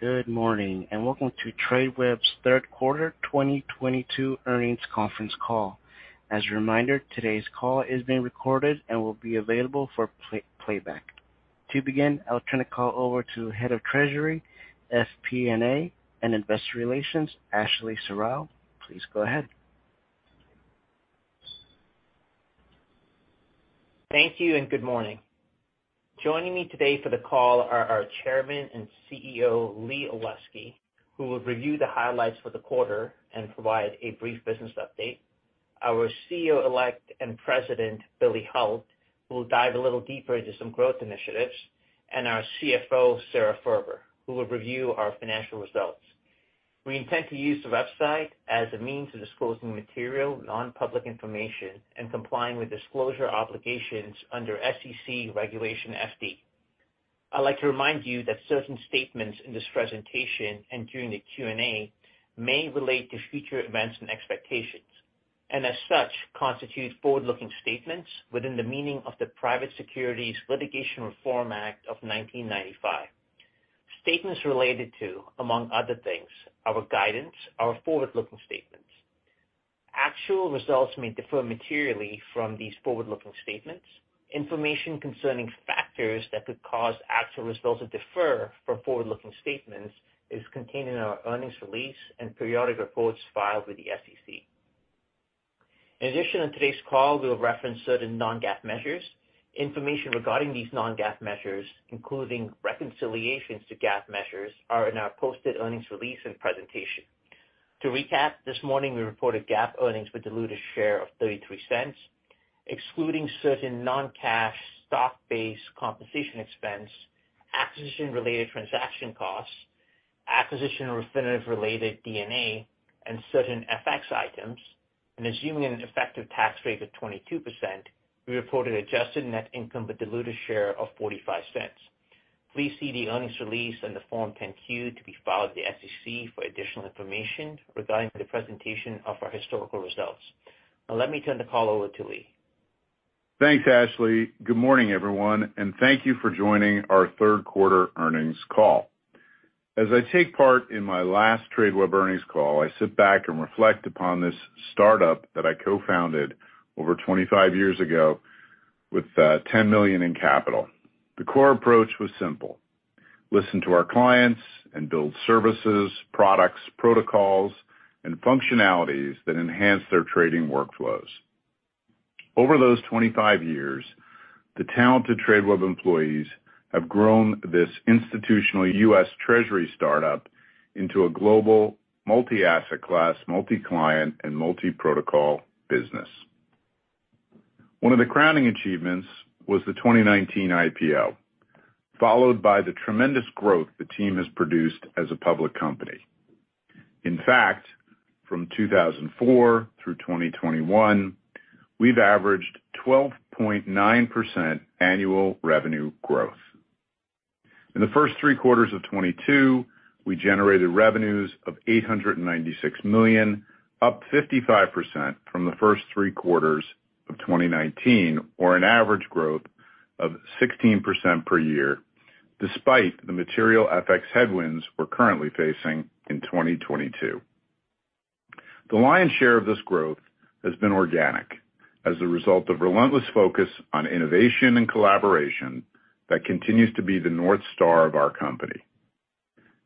Good morning and welcome to Tradeweb's third quarter 2022 earnings conference call. As a reminder, today's call is being recorded and will be available for playback. To begin, I'll turn the call over to Head of Treasury, FP&A and Investor Relations, Ashley Serrao. Please go ahead. Thank you and good morning. Joining me today for the call are our Chairman and CEO, Lee Olesky, who will review the highlights for the quarter and provide a brief business update. Our CEO-elect and President, Billy Hult, who will dive a little deeper into some growth initiatives and our CFO, Sara Furber, who will review our financial results. We intend to use the website as a means of disclosing material non-public information and complying with disclosure obligations under SEC Regulation FD. I'd like to remind you that certain statements in this presentation and during the Q&A may relate to future events and expectations and as such, constitute forward-looking statements within the meaning of the Private Securities Litigation Reform Act of 1995. Statements related to, among other things, our guidance are forward-looking statements. Actual results may differ materially from these forward-looking statements. Information concerning factors that could cause actual results to differ from forward-looking statements is contained in our earnings release and periodic reports filed with the SEC. In addition, on today's call, we'll reference certain non-GAAP measures. Information regarding these non-GAAP measures, including reconciliations to GAAP measures, are in our posted earnings release and presentation. To recap, this morning we reported GAAP earnings with diluted share of $0.33, excluding certain non-cash stock-based compensation expense, acquisition- and disposition-related D&A and certain FX items and assuming an effective tax rate of 22%, we reported adjusted net income with diluted share of $0.45. Please see the earnings release and the Form 10-Q to be filed with the SEC for additional information regarding the presentation of our historical results. Now let me turn the call over to Lee. Thanks, Ashley. Good morning, everyone and thank you for joining our third quarter earnings call. As I take part in my last Tradeweb earnings call, I sit back and reflect upon this startup that I co-founded over 25 years ago with $10 million in capital. The core approach was simple. Listen to our clients and build services, products, protocols and functionalities that enhance their trading workflows. Over those 25 years, the talented Tradeweb employees have grown this institutional U.S. Treasury startup into a global multi-asset class, multi-client and multi-protocol business. One of the crowning achievements was the 2019 IPO, followed by the tremendous growth the team has produced as a public company. In fact, from 2004 through 2021, we've averaged 12.9% annual revenue growth. In the first three quarters of 2022, we generated revenues of $896 million, up 55% from the first three quarters of 2019 or an average growth of 16% per year, despite the material FX headwinds we're currently facing in 2022. The lion's share of this growth has been organic as a result of relentless focus on innovation and collaboration that continues to be the North Star of our company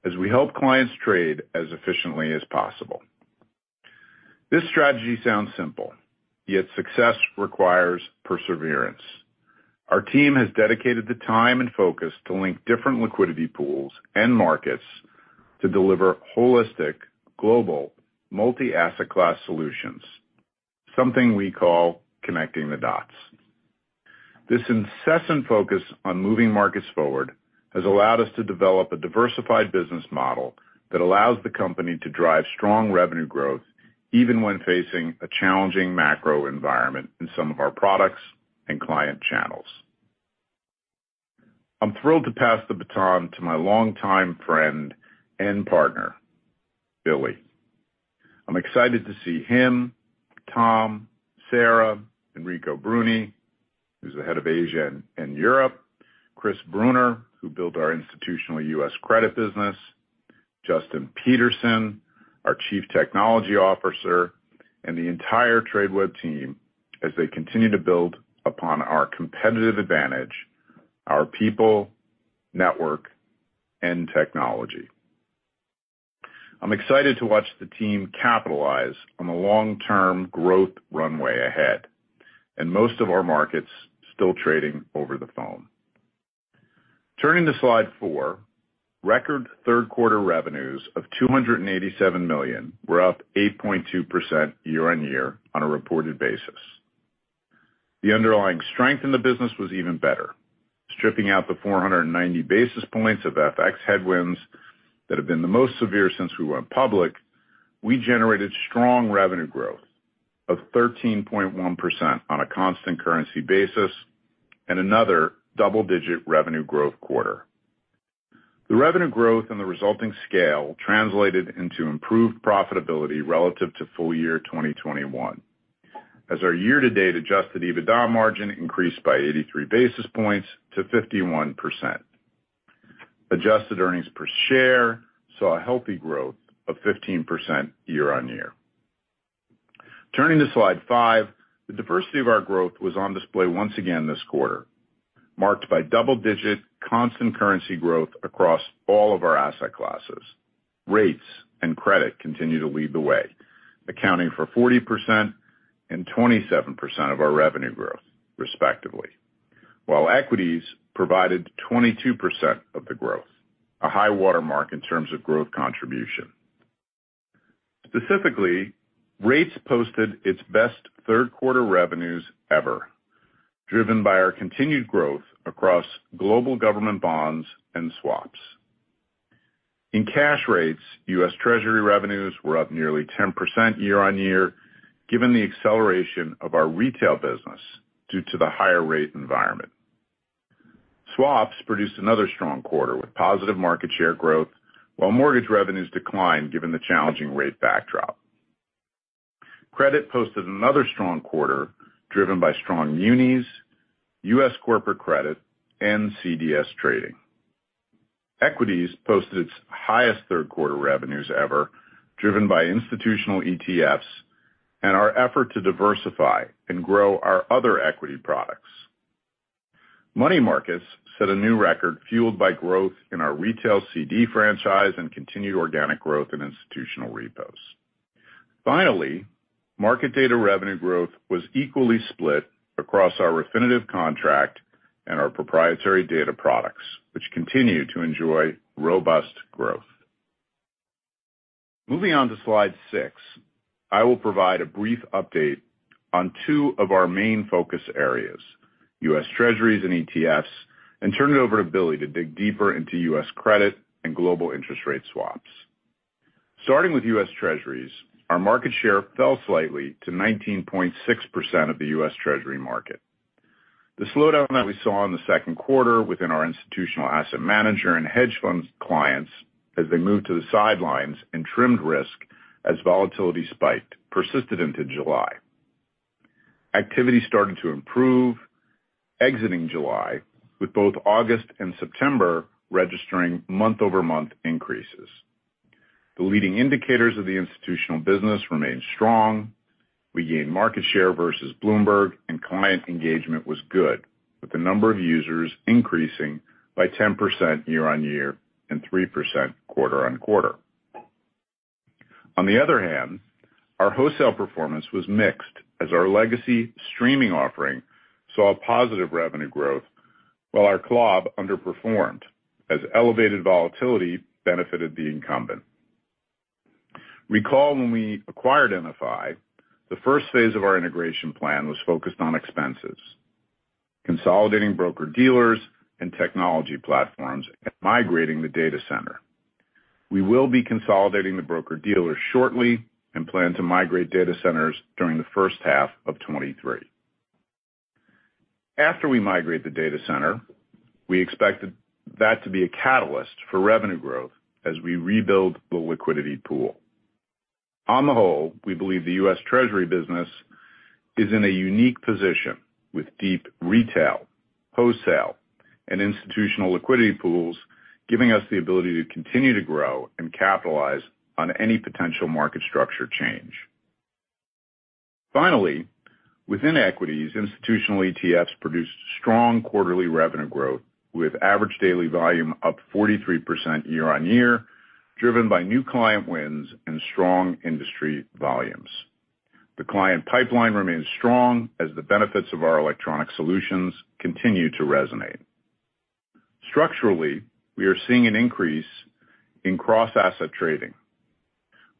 as we help clients trade as efficiently as possible. This strategy sounds simple, yet success requires perseverance. Our team has dedicated the time and focus to link different liquidity pools and markets to deliver holistic, global, multi-asset class solutions, something we call connecting the dots. This incessant focus on moving markets forward has allowed us to develop a diversified business model that allows the company to drive strong revenue growth, even when facing a challenging macro environment in some of our products and client channels. I'm thrilled to pass the baton to my longtime friend and partner, Billy. I'm excited to see him, Tom, Sara and Enrico Bruni, who's the head of Asia and Europe, Chris Allen, who built our institutional U.S. Credit business, Justin Peterson, our Chief Technology Officer and the entire Tradeweb team as they continue to build upon our competitive advantage, our people, network and technology. I'm excited to watch the team capitalize on the long-term growth runway ahead and most of our markets still trading over the phone. Turning to slide four, record third quarter revenues of $287 million were up 8.2% year-on-year on a reported basis. The underlying strength in the business was even better. Stripping out the 490 basis points of FX headwinds that have been the most severe since we went public, we generated strong revenue growth of 13.1% on a constant currency basis and another double-digit revenue growth quarter. The revenue growth and the resulting scale translated into improved profitability relative to full year 2021. As our year-to-date adjusted EBITDA margin increased by 83 basis points to 51%. Adjusted earnings per share saw a healthy growth of 15% year-on-year. Turning to slide five. The diversity of our growth was on display once again this quarter, marked by double-digit constant currency growth across all of our asset classes. Rates and credit continue to lead the way, accounting for 40% and 27% of our revenue growth respectively, while equities provided 22% of the growth, a high-water mark in terms of growth contribution. Specifically, rates posted its best third quarter revenues ever, driven by our continued growth across global government bonds and swaps. In cash rates, U.S. Treasury revenues were up nearly 10% year-on-year, given the acceleration of our retail business due to the higher rate environment. Swaps produced another strong quarter with positive market share growth, while mortgage revenues declined given the challenging rate backdrop. Credit posted another strong quarter driven by strong munis, U.S. corporate credit and CDS trading. Equities posted its highest third quarter revenues ever, driven by institutional ETFs and our effort to diversify and grow our other equity products. Money markets set a new record fueled by growth in our retail CD franchise and continued organic growth in institutional repos. Finally, market data revenue growth was equally split across our Refinitiv contract and our proprietary data products, which continue to enjoy robust growth. Moving on to slide six, I will provide a brief update on two of our main focus areas, U.S. Treasuries and ETFs and turn it over to Billy to dig deeper into U.S. Credit and global interest rate swaps. Starting with U.S. Treasuries, our market share fell slightly to 19.6% of the U.S. Treasury market. The slowdown that we saw in the second quarter within our institutional asset manager and hedge fund clients as they moved to the sidelines and trimmed risk as volatility spiked persisted into July. Activity started to improve exiting July, with both August and September registering month-over-month increases. The leading indicators of the institutional business remained strong. We gained market share versus Bloomberg and client engagement was good, with the number of users increasing by 10% year-on-year and 3% quarter-over-quarter. On the other hand, our wholesale performance was mixed as our legacy streaming offering saw a positive revenue growth while our CLOB underperformed as elevated volatility benefited the incumbent. Recall when we acquired NFI, the first phase of our integration plan was focused on expenses, consolidating broker-dealers and technology platforms and migrating the data center. We will be consolidating the broker-dealer shortly and plan to migrate data centers during the first half of 2023. After we migrate the data center, we expect that to be a catalyst for revenue growth as we rebuild the liquidity pool. On the whole, we believe the U.S. Treasury business is in a unique position with deep retail, wholesale and institutional liquidity pools, giving us the ability to continue to grow and capitalize on any potential market structure change. Finally, within equities, institutional ETFs produced strong quarterly revenue growth, with average daily volume up 43% year-on-year, driven by new client wins and strong industry volumes. The client pipeline remains strong as the benefits of our electronic solutions continue to resonate. Structurally, we are seeing an increase in cross-asset trading,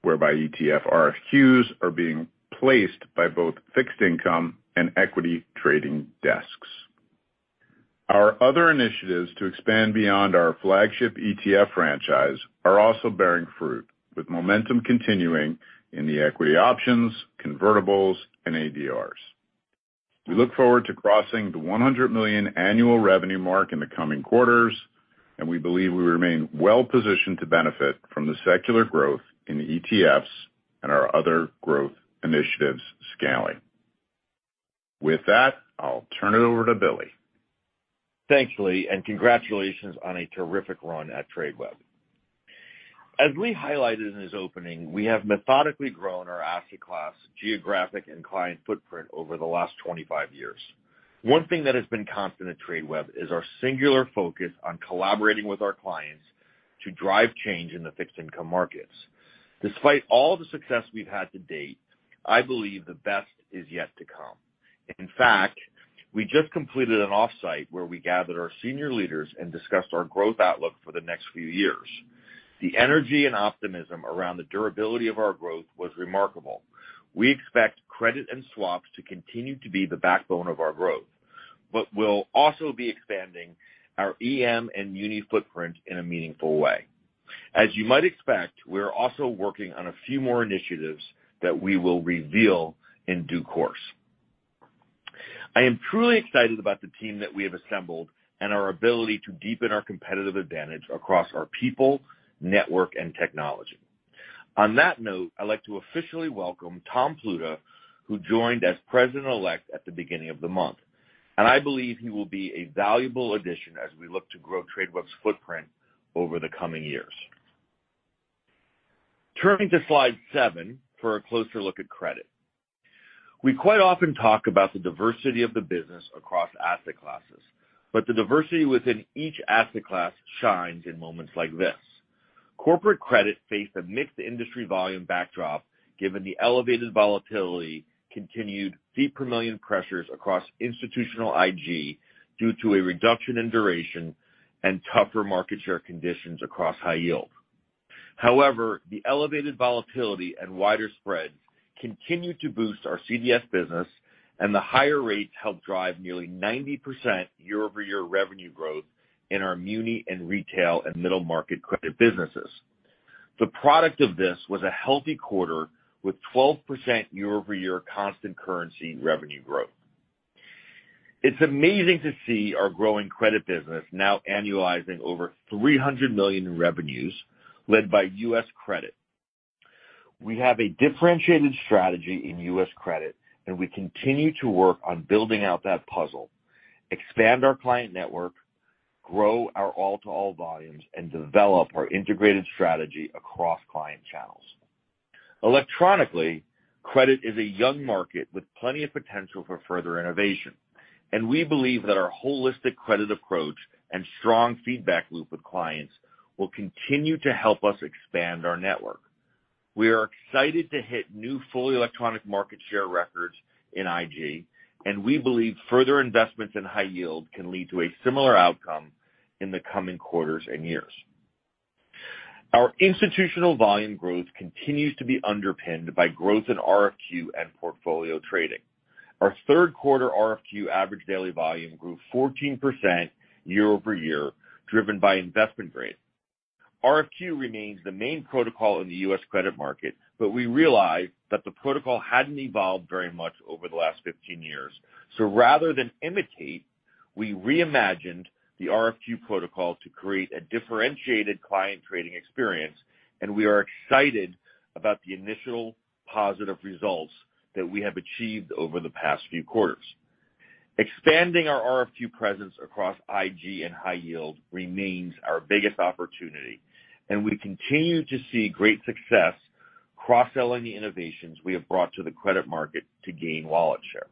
whereby ETF RFQs are being placed by both fixed income and equity trading desks. Our other initiatives to expand beyond our flagship ETF franchise are also bearing fruit, with momentum continuing in the equity options, convertibles and ADRs. We look forward to crossing the $100 million annual revenue mark in the coming quarters and we believe we remain well-positioned to benefit from the secular growth in the ETFs and our other growth initiatives scaling. With that, I'll turn it over to Billy. Thanks, Lee and congratulations on a terrific run at Tradeweb. As Lee highlighted in his opening, we have methodically grown our asset class, geographic and client footprint over the last 25 years. One thing that has been constant at Tradeweb is our singular focus on collaborating with our clients to drive change in the fixed income markets. Despite all the success we've had to date, I believe the best is yet to come. In fact, we just completed an offsite where we gathered our senior leaders and discussed our growth outlook for the next few years. The energy and optimism around the durability of our growth was remarkable. We expect credit and swaps to continue to be the backbone of our growth but we'll also be expanding our EM and muni footprint in a meaningful way. As you might expect, we are also working on a few more initiatives that we will reveal in due course. I am truly excited about the team that we have assembled and our ability to deepen our competitive advantage across our people, network and technology. On that note, I'd like to officially welcome Tom Pluta, who joined as president-elect at the beginning of the month and I believe he will be a valuable addition as we look to grow Tradeweb's footprint over the coming years. Turning to slide seven for a closer look at credit. We quite often talk about the diversity of the business across asset classes but the diversity within each asset class shines in moments like this. Corporate credit faced a mixed industry volume backdrop given the elevated volatility, continued fee per million pressures across institutional IG due to a reduction in duration and tougher market share conditions across high yield. However, the elevated volatility and wider spreads continued to boost our CDS business and the higher rates helped drive nearly 90% year-over-year revenue growth in our muni and retail and middle market credit businesses. The product of this was a healthy quarter with 12% year-over-year constant currency revenue growth. It's amazing to see our growing credit business now annualizing over $300 million in revenues led by U.S. Credit. We have a differentiated strategy in U.S. Credit and we continue to work on building out that puzzle, expand our client network, grow our all-to-all volumes and develop our integrated strategy across client channels. Electronically, credit is a young market with plenty of potential for further innovation and we believe that our holistic credit approach and strong feedback loop with clients will continue to help us expand our network. We are excited to hit new fully electronic market share records in IG and we believe further investments in high yield can lead to a similar outcome in the coming quarters and years. Our institutional volume growth continues to be underpinned by growth in RFQ and portfolio trading. Our third quarter RFQ average daily volume grew 14% year-over-year, driven by investment grade. RFQ remains the main protocol in the U.S. Credit market but we realize that the protocol hadn't evolved very much over the last 15 years. Rather than imitate, we reimagined the RFQ protocol to create a differentiated client trading experience and we are excited about the initial positive results that we have achieved over the past few quarters. Expanding our RFQ presence across IG and high yield remains our biggest opportunity and we continue to see great success cross-selling the innovations we have brought to the credit market to gain wallet share.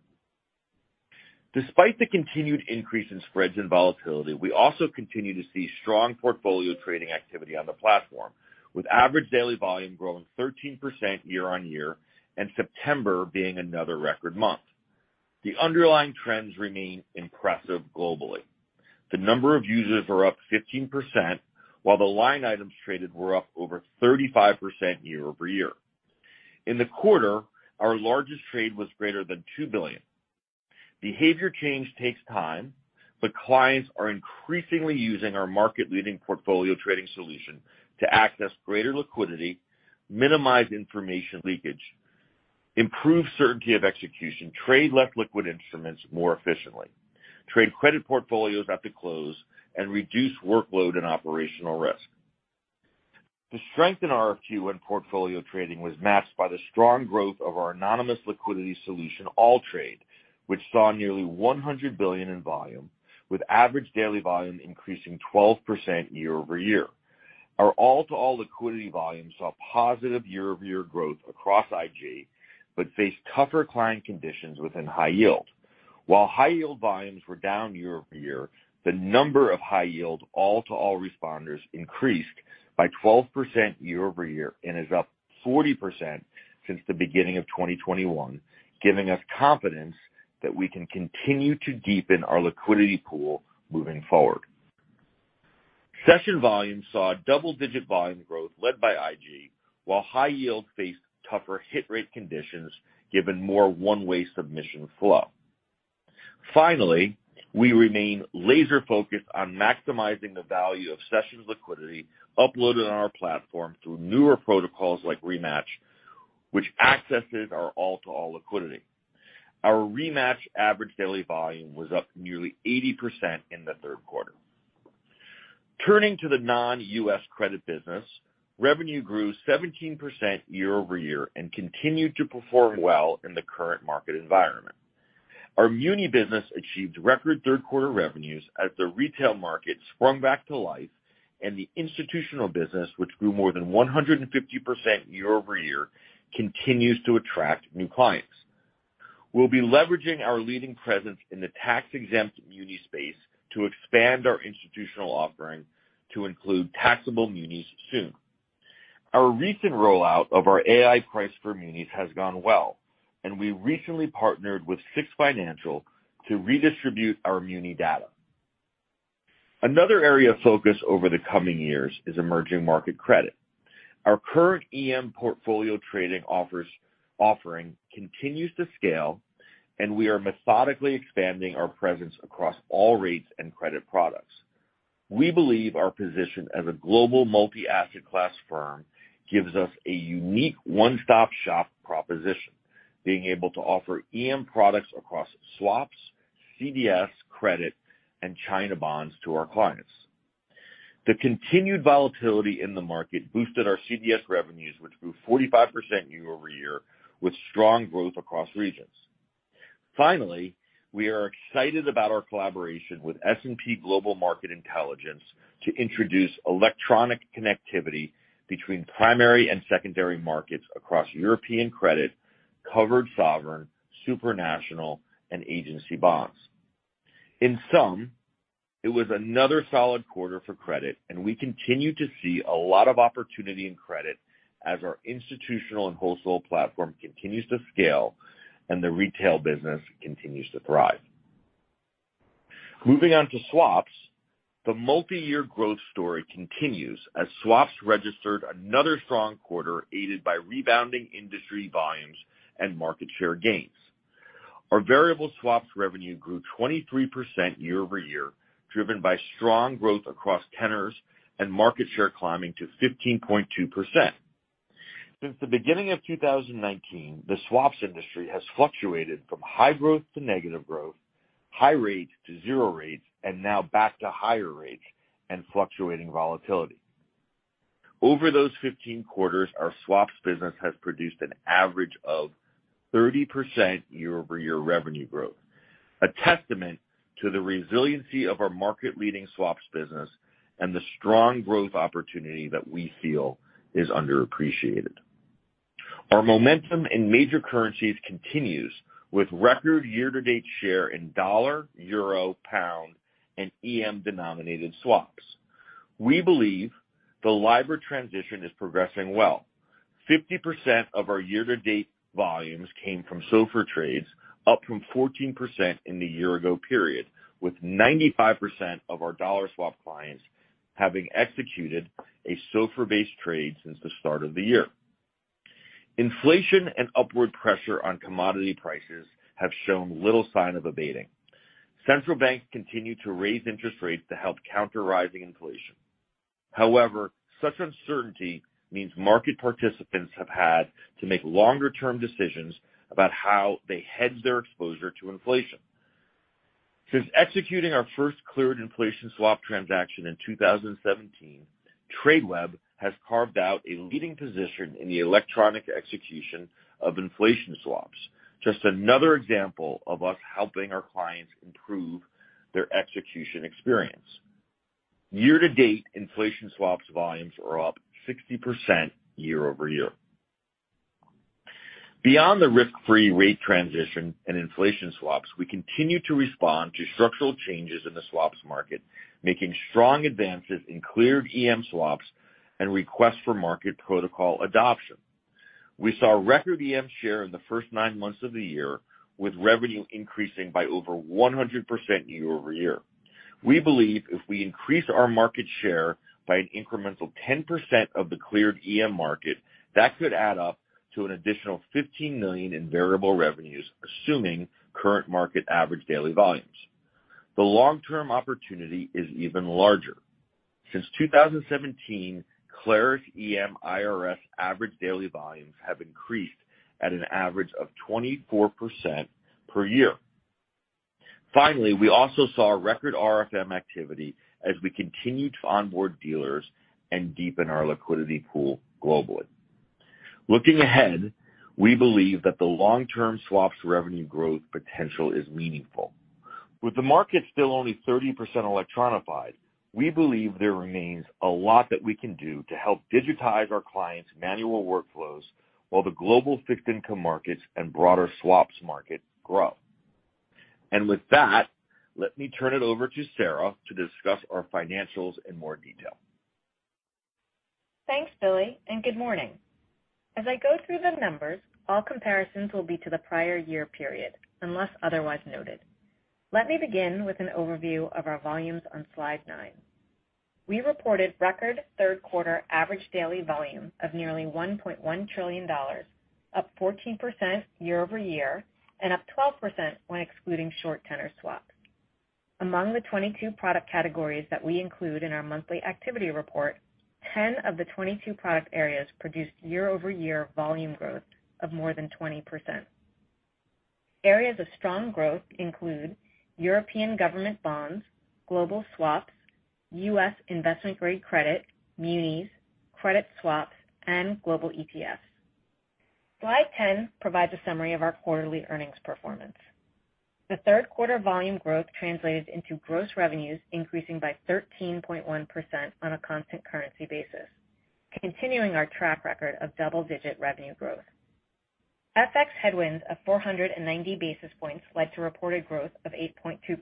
Despite the continued increase in spreads and volatility, we also continue to see strong portfolio trading activity on the platform, with average daily volume growing 13% year-over-year and September being another record month. The underlying trends remain impressive globally. The number of users are up 15%, while the line items traded were up over 35% year-over-year. In the quarter, our largest trade was greater than $2 billion. Behavior change takes time but clients are increasingly using our market-leading portfolio trading solution to access greater liquidity, minimize information leakage, improve certainty of execution, trade less liquid instruments more efficiently, trade credit portfolios at the close and reduce workload and operational risk. The strength in RFQ when portfolio trading was matched by the strong growth of our anonymous liquidity solution, AllTrade, which saw nearly $100 billion in volume, with average daily volume increasing 12% year-over-year. Our all-to-all liquidity volume saw positive year-over-year growth across IG but faced tougher client conditions within high yield. While high yield volumes were down year-over-year, the number of high yield all-to-all responders increased by 12% year-over-year and is up 40% since the beginning of 2021, giving us confidence that we can continue to deepen our liquidity pool moving forward. Session volume saw double-digit volume growth led by IG, while high yield faced tougher hit rate conditions given more one-way submission flow. Finally, we remain laser-focused on maximizing the value of sessions liquidity uploaded on our platform through newer protocols like Rematch, which accesses our all-to-all liquidity. Our Rematch average daily volume was up nearly 80% in the third quarter. Turning to the non-U.S. Credit business, revenue grew 17% year-over-year and continued to perform well in the current market environment. Our muni business achieved record third quarter revenues as the retail market sprung back to life and the institutional business, which grew more than 150% year-over-year, continues to attract new clients. We'll be leveraging our leading presence in the tax-exempt muni space to expand our institutional offering to include taxable munis soon. Our recent rollout of our Ai-Price for munis has gone well and we recently partnered with SIX Financial to redistribute our muni data. Another area of focus over the coming years is emerging market credit. Our current EM portfolio trading offering continues to scale and we are methodically expanding our presence across all rates and credit products. We believe our position as a global multi-asset class firm gives us a unique one-stop shop proposition, being able to offer EM products across swaps, CDS, credit and China bonds to our clients. The continued volatility in the market boosted our CDS revenues, which grew 45% year-over-year, with strong growth across regions. Finally, we are excited about our collaboration with S&P Global Market Intelligence to introduce electronic connectivity between primary and secondary markets across European credit, covered sovereign, supranational and agency bonds. In sum, it was another solid quarter for credit and we continue to see a lot of opportunity in credit as our institutional and wholesale platform continues to scale and the retail business continues to thrive. Moving on to swaps, the multi-year growth story continues as swaps registered another strong quarter, aided by rebounding industry volumes and market share gains. Our variable swaps revenue grew 23% year-over-year, driven by strong growth across tenors and market share climbing to 15.2%. Since the beginning of 2019, the swaps industry has fluctuated from high growth to negative growth, high rates to zero rates and now back to higher rates and fluctuating volatility. Over those 15 quarters, our swaps business has produced an average of 30% year-over-year revenue growth, a testament to the resiliency of our market-leading swaps business and the strong growth opportunity that we feel is underappreciated. Our momentum in major currencies continues, with record year-to-date share in dollar, euro, pound and EM-denominated swaps. We believe the LIBOR transition is progressing well. 50% of our year-to-date volumes came from SOFR trades, up from 14% in the year-ago period, with 95% of our dollar swap clients having executed a SOFR-based trade since the start of the year. Inflation and upward pressure on commodity prices have shown little sign of abating. Central banks continue to raise interest rates to help counter rising inflation. However, such uncertainty means market participants have had to make longer-term decisions about how they hedge their exposure to inflation. Since executing our first cleared inflation swap transaction in 2017, Tradeweb has carved out a leading position in the electronic execution of inflation swaps. Just another example of us helping our clients improve their execution experience. Year-to-date inflation swaps volumes are up 60% year-over-year. Beyond the risk-free rate transition and inflation swaps, we continue to respond to structural changes in the swaps market, making strong advances in cleared EM swaps and RFM protocol adoption. We saw record EM share in the first nine months of the year, with revenue increasing by over 100% year-over-year. We believe if we increase our market share by an incremental 10% of the cleared EM market, that could add up to an additional $15 million in variable revenues, assuming current market average daily volumes. The long-term opportunity is even larger. Since 2017, Clarus EM IRS average daily volumes have increased at an average of 24% per year. Finally, we also saw record RFM activity as we continued to onboard dealers and deepen our liquidity pool globally. Looking ahead, we believe that the long-term swaps revenue growth potential is meaningful. With the market still only 30% electronified, we believe there remains a lot that we can do to help digitize our clients' manual workflows while the global fixed income markets and broader swaps market grow. With that, let me turn it over to Sara to discuss our financials in more detail. Thanks, Billy and good morning. As I go through the numbers, all comparisons will be to the prior year period, unless otherwise noted. Let me begin with an overview of our volumes on slide nine. We reported record third quarter average daily volume of nearly $1.1 trillion, up 14% year-over-year and up 12% when excluding short tenor swaps. Among the 22 product categories that we include in our monthly activity report, 10 of the 22 product areas produced year-over-year volume growth of more than 20%. Areas of strong growth include European government bonds, global swaps, US investment-grade credit, munis, credit swaps and global ETFs. Slide 10 provides a summary of our quarterly earnings performance. The third quarter volume growth translated into gross revenues increasing by 13.1% on a constant currency basis, continuing our track record of double-digit revenue growth. FX headwinds of 490 basis points led to reported growth of 8.2%.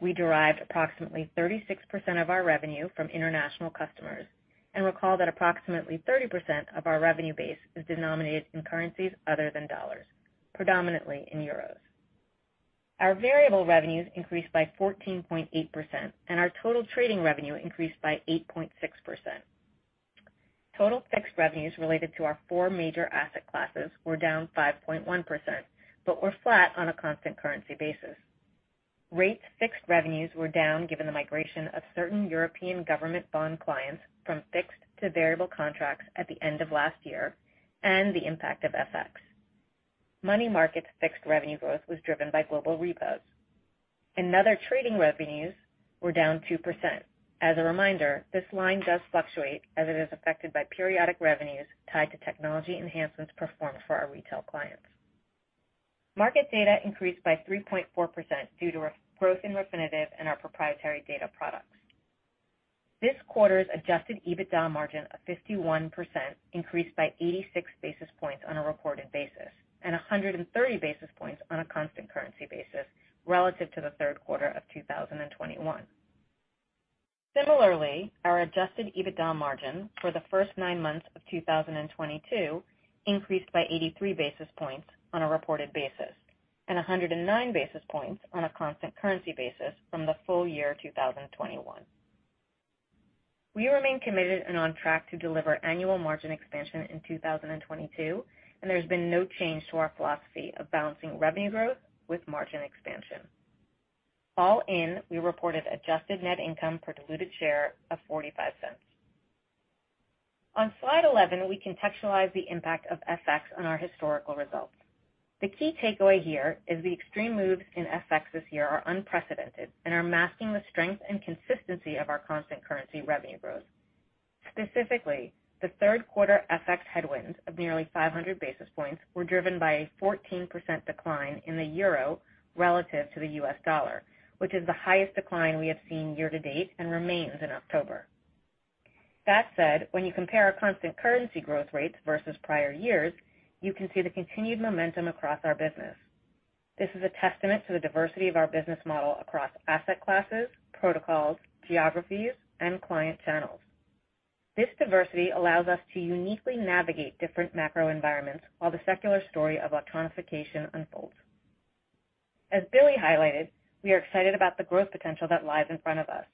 We derived approximately 36% of our revenue from international customers and recall that approximately 30% of our revenue base is denominated in currencies other than dollars, predominantly in euros. Our variable revenues increased by 14.8% and our total trading revenue increased by 8.6%. Total fixed revenues related to our 4 major asset classes were down 5.1% but were flat on a constant currency basis. Rates fixed revenues were down given the migration of certain European government bond clients from fixed to variable contracts at the end of last year and the impact of FX. Money markets fixed revenue growth was driven by global repos. Other trading revenues were down 2%. As a reminder, this line does fluctuate as it is affected by periodic revenues tied to technology enhancements performed for our retail clients. Market data increased by 3.4% due to growth in Refinitiv and our proprietary data products. This quarter's adjusted EBITDA margin of 51% increased by 86 basis points on a reported basis and 130 basis points on a constant currency basis relative to the third quarter of 2021. Similarly, our adjusted EBITDA margin for the first nine months of 2022 increased by 83 basis points on a reported basis and 109 basis points on a constant currency basis from the full year 2021. We remain committed and on track to deliver annual margin expansion in 2022 and there's been no change to our philosophy of balancing revenue growth with margin expansion. All in, we reported adjusted net income per diluted share of $0.45. On slide 11, we contextualize the impact of FX on our historical results. The key takeaway here is the extreme moves in FX this year are unprecedented and are masking the strength and consistency of our constant currency revenue growth. Specifically, the third quarter FX headwinds of nearly 500 basis points were driven by a 14% decline in the euro relative to the US dollar, which is the highest decline we have seen year-to-date and remains in October. That said, when you compare our constant currency growth rates versus prior years, you can see the continued momentum across our business. This is a testament to the diversity of our business model across asset classes, protocols, geographies and client channels. This diversity allows us to uniquely navigate different macro environments while the secular story of electronification unfolds. As Billy highlighted, we are excited about the growth potential that lies in front of us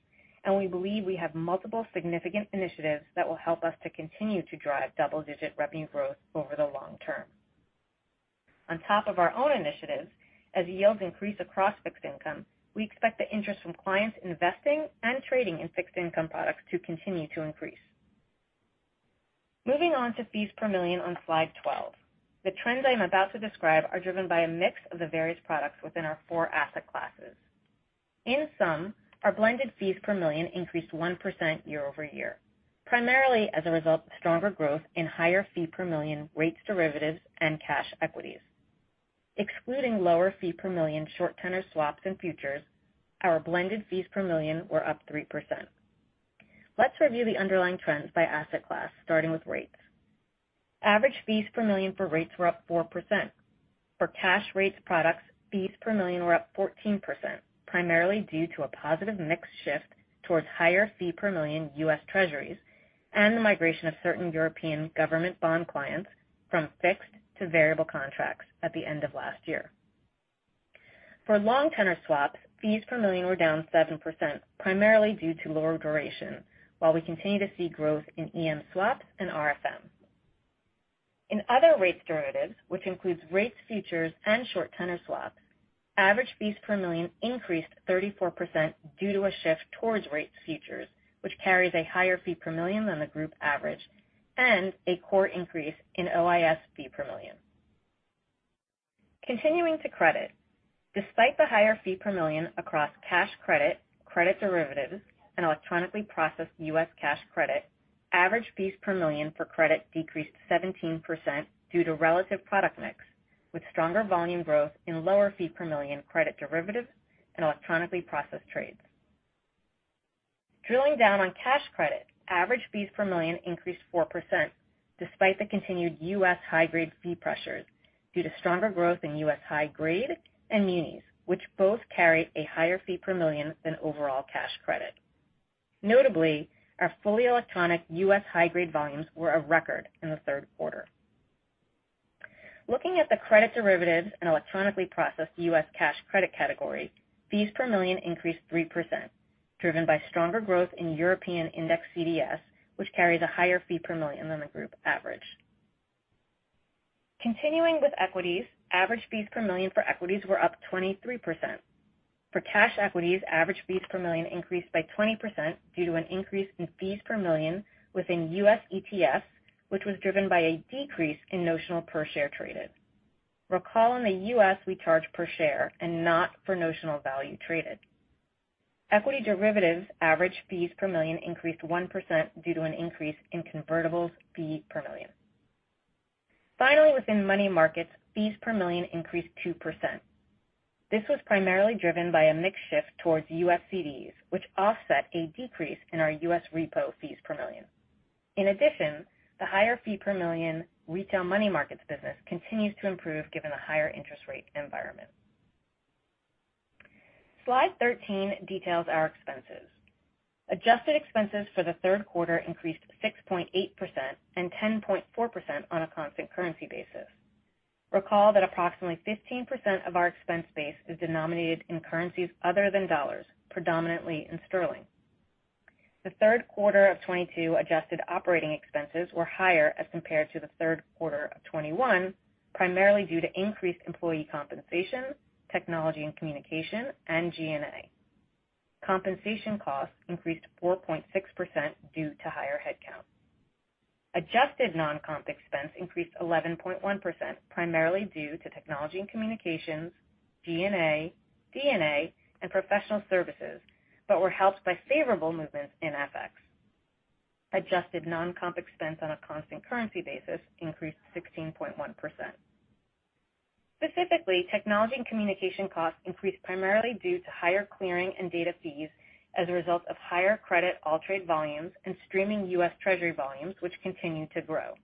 and we believe we have multiple significant initiatives that will help us to continue to drive double-digit revenue growth over the long term. On top of our own initiatives, as yields increase across fixed income, we expect the interest from clients investing and trading in fixed income products to continue to increase. Moving on to fees per million on slide 12. The trends I'm about to describe are driven by a mix of the various products within our four asset classes. In sum, our blended fees per million increased 1% year-over-year, primarily as a result of stronger growth in higher fee per million rates derivatives and cash equities. Excluding lower fee per million short tenor swaps and futures, our blended fees per million were up 3%. Let's review the underlying trends by asset class, starting with rates. Average fees per million for rates were up 4%. For cash rates products, fees per million were up 14%, primarily due to a positive mix shift towards higher fee per million U.S. Treasuries and the migration of certain European government bond clients from fixed to variable contracts at the end of last year. For long tenor swaps, fees per million were down 7% primarily due to lower duration, while we continue to see growth in EM swaps and RFM. In other rates derivatives, which includes rates futures and short tenor swaps, average fees per million increased 34% due to a shift towards rates futures, which carries a higher fee per million than the group average and a core increase in OIS fee per million. Continuing to credit. Despite the higher fee per million across cash credit derivatives and electronically processed U.S. cash credit, average fees per million for credit decreased 17% due to relative product mix, with stronger volume growth in lower fee per million credit derivatives and electronically processed trades. Drilling down on cash credit, average fees per million increased 4% despite the continued U.S. high-grade fee pressures due to stronger growth in U.S. high-grade and munis, which both carry a higher fee per million than overall cash credit. Notably, our fully electronic U.S. high-grade volumes were a record in the third quarter. Looking at the credit derivatives and electronically processed U.S. cash credit category, fees per million increased 3%, driven by stronger growth in European index CDS, which carries a higher fee per million than the group average. Continuing with equities, average fees per million for equities were up 23%. For cash equities, average fees per million increased by 20% due to an increase in fees per million within U.S. ETFs, which was driven by a decrease in notional per share traded. Recall in the U.S., we charge per share and not for notional value traded. Equity derivatives average fees per million increased 1% due to an increase in convertibles fee per million. Finally, within money markets, fees per million increased 2%. This was primarily driven by a mix shift towards U.S. CDs, which offset a decrease in our U.S. repo fees per million. In addition, the higher fee per million retail money markets business continues to improve given the higher interest rate environment. Slide 13 details our expenses. Adjusted expenses for the third quarter increased 6.8% and 10.4% on a constant currency basis. Recall that approximately 15% of our expense base is denominated in currencies other than dollars, predominantly in sterling. The third quarter of 2022 adjusted operating expenses were higher as compared to the third quarter of 2021, primarily due to increased employee compensation, technology and communication and G&A. Compensation costs increased 4.6% due to higher headcount. Adjusted non-comp expense increased 11.1%, primarily due to technology and communications, G&A, D&A and professional services but were helped by favorable movements in FX. Adjusted non-comp expense on a constant currency basis increased 16.1%. Specifically, technology and communication costs increased primarily due to higher clearing and data fees as a result of higher credit AllTrade volumes and streaming U.S. Treasury volumes, which continue to grow.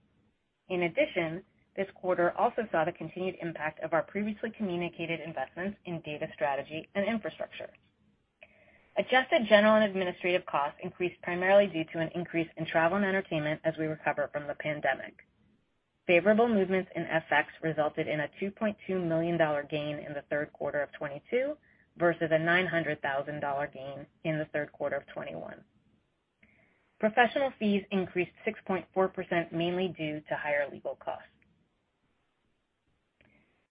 In addition, this quarter also saw the continued impact of our previously communicated investments in data strategy and infrastructure. Adjusted general and administrative costs increased primarily due to an increase in travel and entertainment as we recover from the pandemic. Favorable movements in FX resulted in a $2.2 million gain in the third quarter of 2022 versus a $900 thousand gain in the third quarter of 2021. Professional fees increased 6.4% mainly due to higher legal costs.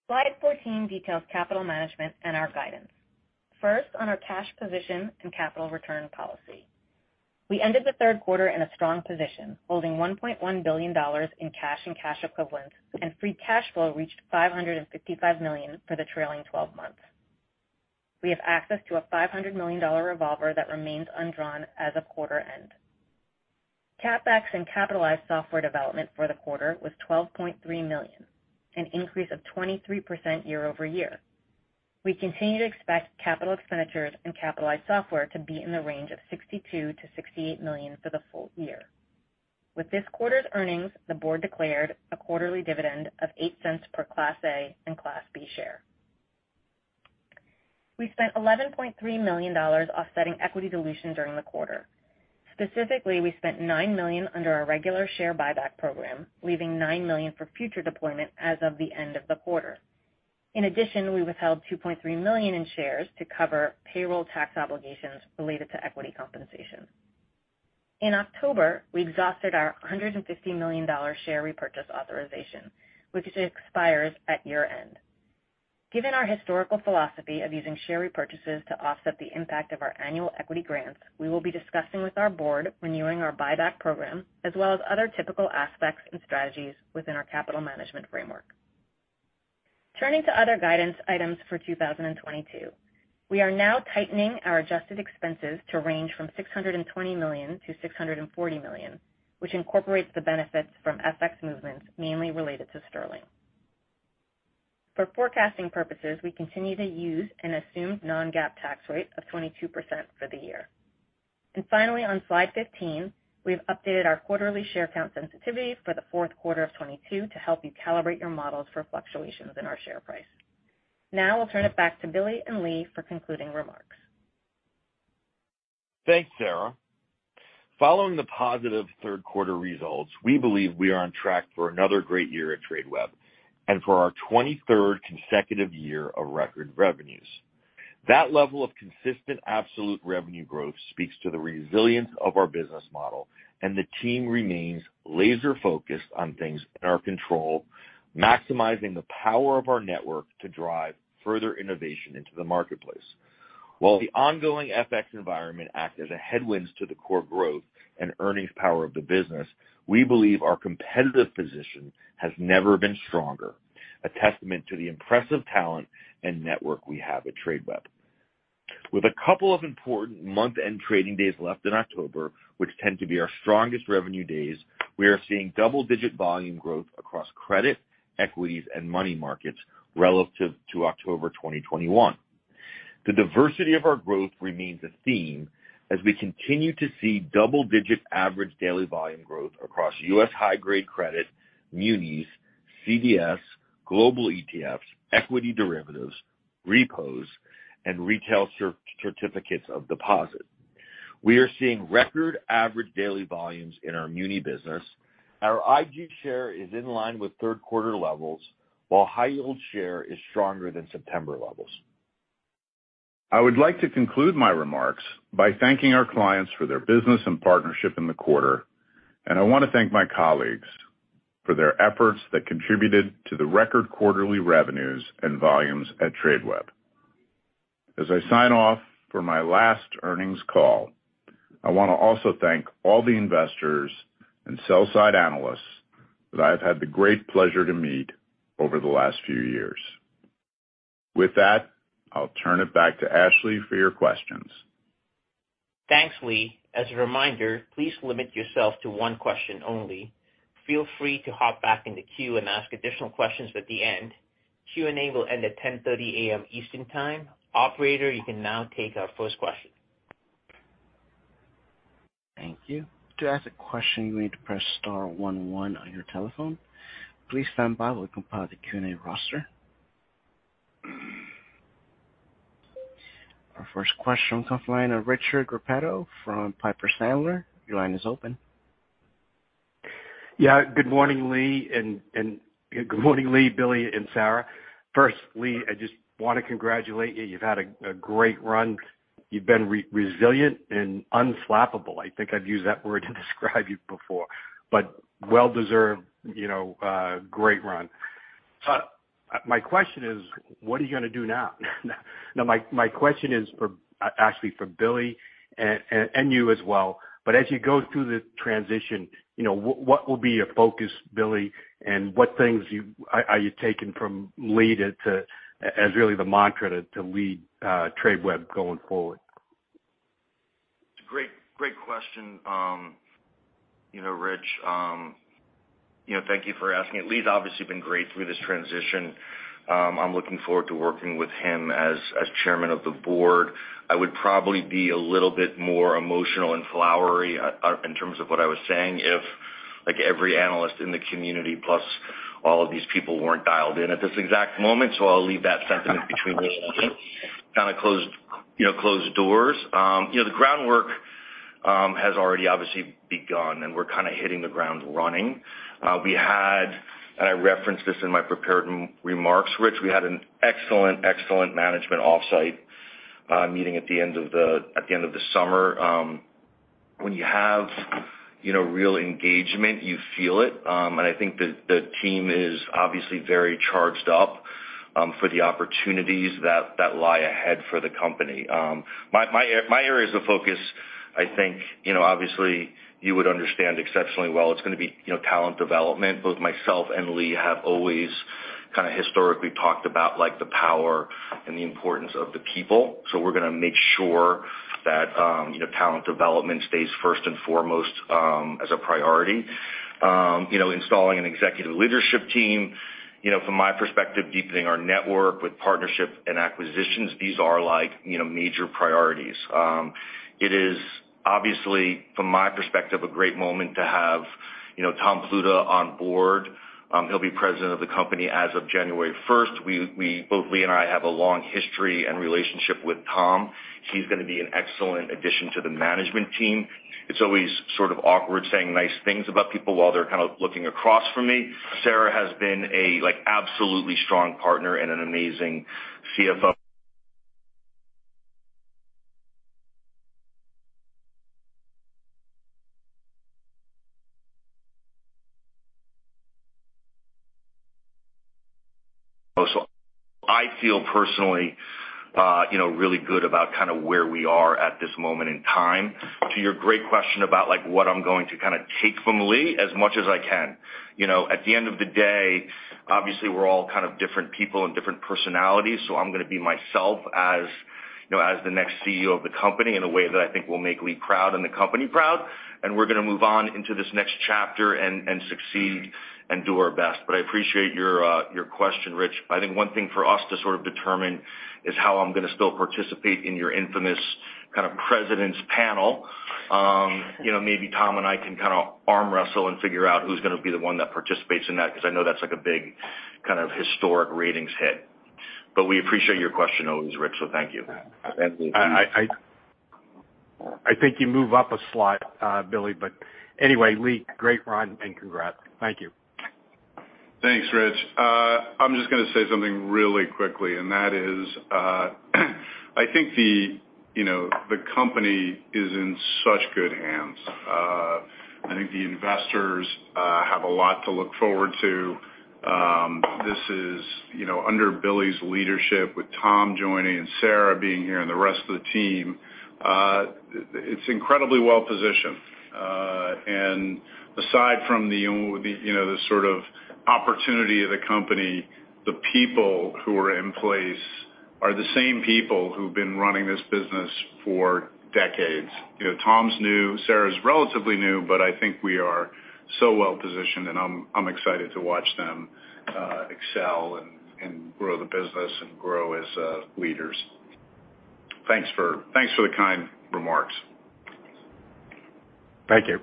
Slide 14 details capital management and our guidance. First, on our cash position and capital return policy. We ended the third quarter in a strong position, holding $1.1 billion in cash and cash equivalents and free cash flow reached $555 million for the trailing twelve months. We have access to a $500 million revolver that remains undrawn as of quarter end. CapEx and capitalized software development for the quarter was $12.3 million, an increase of 23% year-over-year. We continue to expect capital expenditures and capitalized software to be in the range of $62 million-$68 million for the full year. With this quarter's earnings, the board declared a quarterly dividend of $0.08 per Class A and Class B share. We spent $11.3 million offsetting equity dilution during the quarter. Specifically, we spent $9 million under our regular share buyback program, leaving $9 million for future deployment as of the end of the quarter. In addition, we withheld $2.3 million in shares to cover payroll tax obligations related to equity compensation. In October, we exhausted our $150 million share repurchase authorization, which expires at year-end. Given our historical philosophy of using share repurchases to offset the impact of our annual equity grants, we will be discussing with our board renewing our buyback program, as well as other typical aspects and strategies within our capital management framework. Turning to other guidance items for 2022. We are now tightening our adjusted expenses to range from $620 million-$640 million, which incorporates the benefits from FX movements mainly related to sterling. For forecasting purposes, we continue to use an assumed non-GAAP tax rate of 22% for the year. Finally, on slide 15, we've updated our quarterly share count sensitivity for the fourth quarter of 2022 to help you calibrate your models for fluctuations in our share price. Now I'll turn it back to Billy and Lee for concluding remarks. Thanks, Sara. Following the positive third quarter results, we believe we are on track for another great year at Tradeweb and for our 23rd consecutive year of record revenues. That level of consistent absolute revenue growth speaks to the resilience of our business model and the team remains laser-focused on things in our control, maximizing the power of our network to drive further innovation into the marketplace. While the ongoing FX environment acts as headwinds to the core growth and earnings power of the business, we believe our competitive position has never been stronger, a testament to the impressive talent and network we have at Tradeweb. With a couple of important month-end trading days left in October, which tend to be our strongest revenue days, we are seeing double-digit volume growth across credit, equities and money markets relative to October 2021. The diversity of our growth remains a theme as we continue to see double-digit average daily volume growth across U.S. high-grade credit, munis, CDS, global ETFs, equity derivatives, repos and retail certificates of deposit. We are seeing record average daily volumes in our muni business. Our IG share is in line with third quarter levels, while high-yield share is stronger than September levels. I would like to conclude my remarks by thanking our clients for their business and partnership in the quarter. I wanna thank my colleagues for their efforts that contributed to the record quarterly revenues and volumes at Tradeweb. As I sign off for my last earnings call, I wanna also thank all the investors and sell-side analysts that I have had the great pleasure to meet over the last few years. With that, I'll turn it back to Ashley for your questions. Thanks, Lee. As a reminder, please limit yourself to one question only. Feel free to hop back in the queue and ask additional questions at the end. Q&A will end at 10:30 A.M. Eastern Time. Operator, you can now take our first question. Thank you. To ask a question, you need to press star one one on your telephone. Please stand by while we compile the Q&A roster. First question comes from the line of Richard Repetto from Piper Sandler. Your line is open. Good morning, Lee, Billy and Sara. First, Lee, I just want to congratulate you. You've had a great run. You've been resilient and unflappable. I think I've used that word to describe you before but well-deserved, you know, great run. My question is, what are you gonna do now? Now, my question is actually for Billy and you as well. As you go through this transition, you know, what will be your focus, Billy and what things are you taking from Lee to as really the mantra to lead Tradeweb going forward? Great question, you know, Rich. You know, thank you for asking. Lee's obviously been great through this transition. I'm looking forward to working with him as Chairman of the board. I would probably be a little bit more emotional and flowery in terms of what I was saying if, like, every analyst in the community plus all of these people weren't dialed in at this exact moment. I'll leave that sentiment between Lee and me kind of closed, you know, closed doors. You know, the groundwork has already obviously begun and we're kinda hitting the ground running. I referenced this in my prepared remarks, Rich. We had an excellent management offsite meeting at the end of the summer. When you have, you know, real engagement, you feel it. I think that the team is obviously very charged up for the opportunities that lie ahead for the company. My areas of focus, I think, you know, obviously you would understand exceptionally well, it's gonna be, you know, talent development. Both myself and Lee have always kind of historically talked about, like, the power and the importance of the people. We're gonna make sure that, you know, talent development stays first and foremost, as a priority. You know, installing an executive leadership team, you know, from my perspective, deepening our network with partnership and acquisitions, these are like, you know, major priorities. It is obviously, from my perspective, a great moment to have, you know, Tom Pluta on board. He'll be President of the company as of 1 January. We both Lee and I have a long history and relationship with Tom. He's gonna be an excellent addition to the management team. It's always sort of awkward saying nice things about people while they're kind of looking across from me. Sara has been a, like, absolutely strong partner and an amazing CFO. I feel personally, you know, really good about kinda where we are at this moment in time. To your great question about, like, what I'm going to kinda take from Lee, as much as I can. You know, at the end of the day, obviously we're all kind of different people and different personalities, so I'm gonna be myself as, you know, as the next CEO of the company in a way that I think will make Lee proud and the company proud and we're gonna move on into this next chapter and succeed and do our best. I appreciate your question, Rich. I think one thing for us to sort of determine is how I'm gonna still participate in your infamous kind of president's panel. You know, maybe Tom and I can kind of arm wrestle and figure out who's gonna be the one that participates in that, 'cause I know that's like a big kind of historic ratings hit. We appreciate your question always, Rich, so thank you. I think you move up a slide, Billy. Anyway, Lee, great run and congrats. Thank you. Thanks, Rich. I'm just gonna say something really quickly and that is, I think, you know, the company is in such good hands. I think the investors have a lot to look forward to. This is, you know, under Billy's leadership with Tom joining and Sara being here and the rest of the team, it's incredibly well-positioned. Aside from the, you know, the sort of opportunity of the company, the people who are in place are the same people who've been running this business for decades. You know, Tom's new, Sara's relatively new but I think we are so well-positioned and I'm excited to watch them excel and grow the business and grow as leaders. Thanks for the kind remarks. Thank you.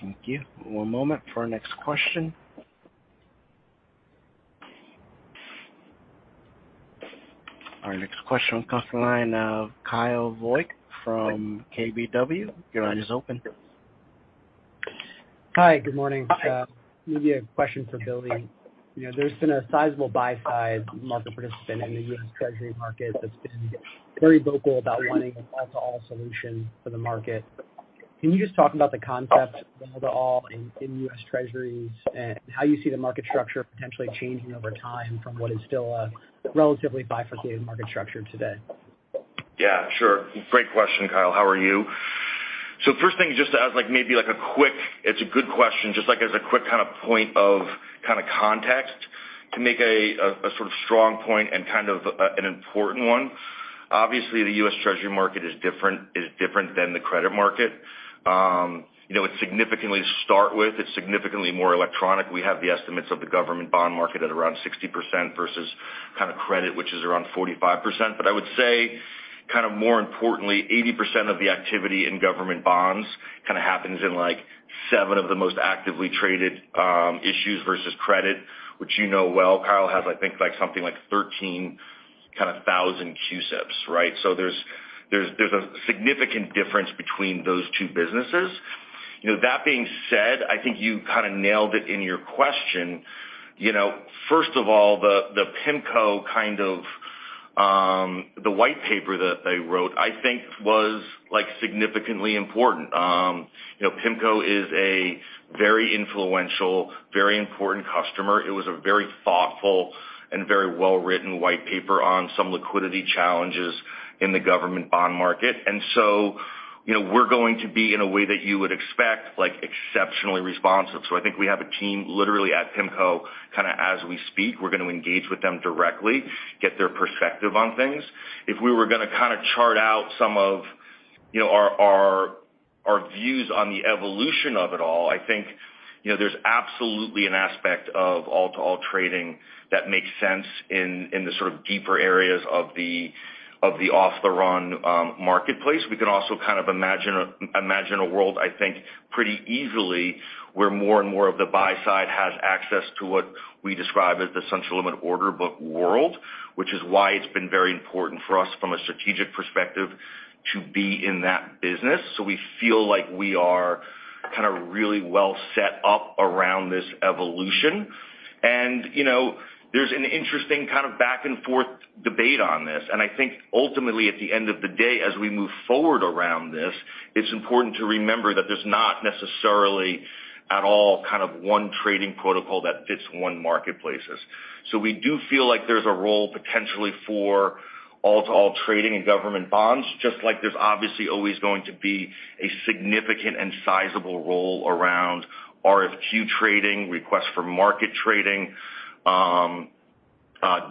Thank you. One moment for our next question. Our next question comes from the line of Kyle Voigt from KBW. Your line is open. Hi, good morning. Maybe a question for Billy. You know, there's been a sizable buy-side market participant in the U.S. Treasury market that's been very vocal about wanting an all-to-all solution for the market. Can you just talk about the concept of all-to-all in U.S. Treasuries and how you see the market structure potentially changing over time from what is still a relatively bifurcated market structure today? Yeah, sure. Great question, Kyle. How are you? It's a good question, just like as a quick kind of point of kind of context to make a sort of strong point and kind of an important one. Obviously, the U.S. Treasury market is different than the credit market. You know, it's significantly more electronic. We have the estimates of the government bond market at around 60% versus kind of credit, which is around 45%. I would say kind of more importantly, 80% of the activity in government bonds kind of happens in like seven of the most actively traded issues versus credit, which you know well. Kyle has, I think, like something like 13,000 CUSIPs, right? There's a significant difference between those two businesses. You know, that being said, I think you kind of nailed it in your question. You know, first of all, the PIMCO kind of. The white paper that they wrote, I think was, like, significantly important. You know, PIMCO is a very influential, very important customer. It was a very thoughtful and very well-written white paper on some liquidity challenges in the government bond market. You know, we're going to be in a way that you would expect, like, exceptionally responsive. I think we have a team literally at PIMCO, kind of as we speak, we're gonna engage with them directly, get their perspective on things. If we were gonna kind of chart out some of, you know, our views on the evolution of it all, I think, you know, there's absolutely an aspect of all-to-all trading that makes sense in the sort of deeper areas of the off-the-run marketplace. We can also kind of imagine a world, I think, pretty easily, where more and more of the buy side has access to what we describe as the central limit order book world, which is why it's been very important for us from a strategic perspective to be in that business. We feel like we are kind of really well set up around this evolution. You know, there's an interesting kind of back and forth debate on this. I think ultimately, at the end of the day, as we move forward around this, it's important to remember that there's not necessarily at all kind of one trading protocol that fits one marketplace. We do feel like there's a role potentially for all-to-all trading and government bonds, just like there's obviously always going to be a significant and sizable role around RFQ trading, request for quote trading,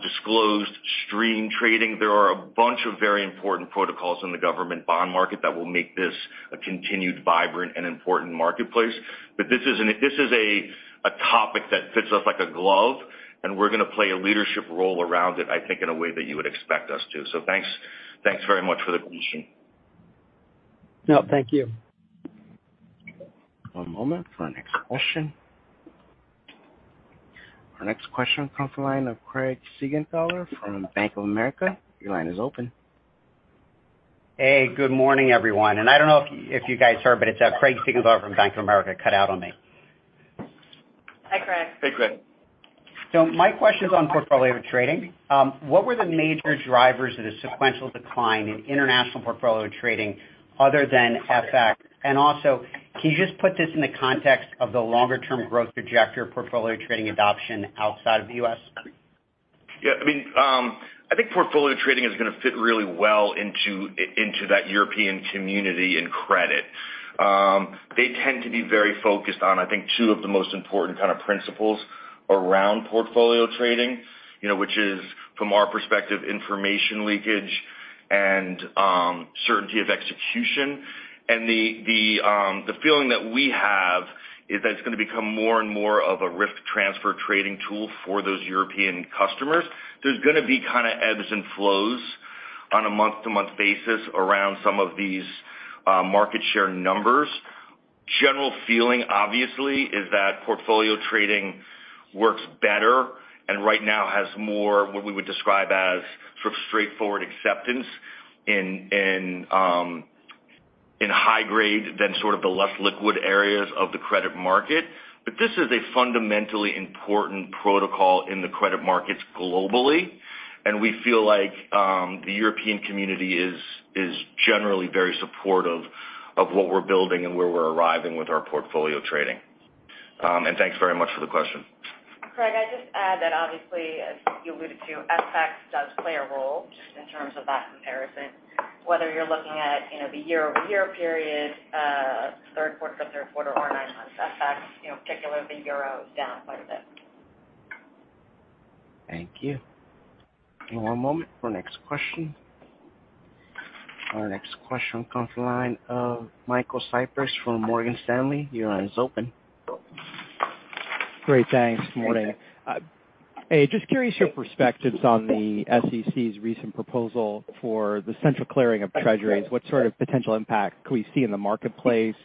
disclosed streaming trading. There are a bunch of very important protocols in the government bond market that will make this a continually vibrant and important marketplace. This is a topic that fits us like a glove and we're gonna play a leadership role around it, I think, in a way that you would expect us to. Thanks very much for the question. No, thank you. One moment for our next question. Our next question comes from the line of Craig Siegenthaler from Bank of America. Your line is open. Hey, good morning, everyone. I don't know if you guys heard but it's Craig Siegenthaler from Bank of America. It cut out on me. Hi, Craig. Hey, Craig. My question is on portfolio trading. What were the major drivers of the sequential decline in international portfolio trading other than FX? Also, can you just put this in the context of the longer-term growth trajectory of portfolio trading adoption outside of the U.S.? Yeah. I mean, I think portfolio trading is gonna fit really well into that European community and credit. They tend to be very focused on, I think two of the most important kind of principles around portfolio trading, you know, which is, from our perspective, information leakage and certainty of execution. The feeling that we have is that it's gonna become more and more of a risk transfer trading tool for those European customers. There's gonna be kinda ebbs and flows on a month-to-month basis around some of these market share numbers. General feeling, obviously, is that portfolio trading works better and right now has more, what we would describe as sort of straightforward acceptance in high grade than sort of the less liquid areas of the credit market. This is a fundamentally important protocol in the credit markets globally and we feel like the European community is generally very supportive of what we're building and where we're arriving with our portfolio trading. Thanks very much for the question. Craig, I'd just add that obviously, as you alluded to, FX does play a role just in terms of that comparison. Whether you're looking at, you know, the year-over-year period, third quarter to third quarter or nine months, FX, you know, particularly the euro, is down quite a bit. Thank you. One moment for next question. Our next question comes from the line of Michael Cyprys from Morgan Stanley. Your line is open. Great. Thanks. Morning. Hey, just curious your perspectives on the SEC's recent proposal for the central clearing of Treasuries. What sort of potential impact could we see in the marketplace?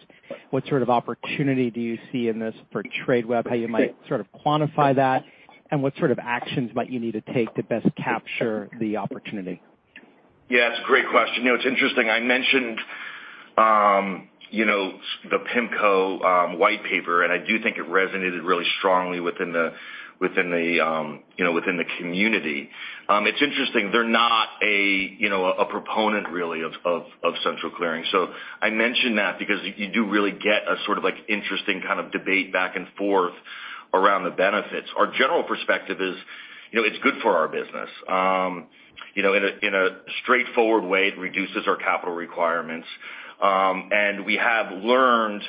What sort of opportunity do you see in this for Tradeweb? How you might sort of quantify that and what sort of actions might you need to take to best capture the opportunity? Yeah, it's a great question. You know, it's interesting. I mentioned the PIMCO white paper and I do think it resonated really strongly within the community. It's interesting. They're not a proponent really of central clearing. I mentioned that because you do really get a sort of like interesting kind of debate back and forth around the benefits. Our general perspective is, you know, it's good for our business. You know, in a straightforward way, it reduces our capital requirements. We have learned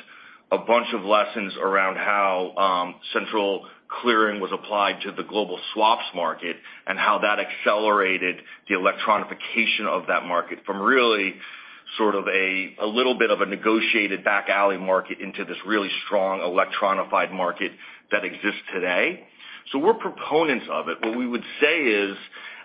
a bunch of lessons around how central clearing was applied to the global swaps market and how that accelerated the electronification of that market from really sort of a little bit of a negotiated back alley market into this really strong electronified market that exists today. We're proponents of it. What we would say is,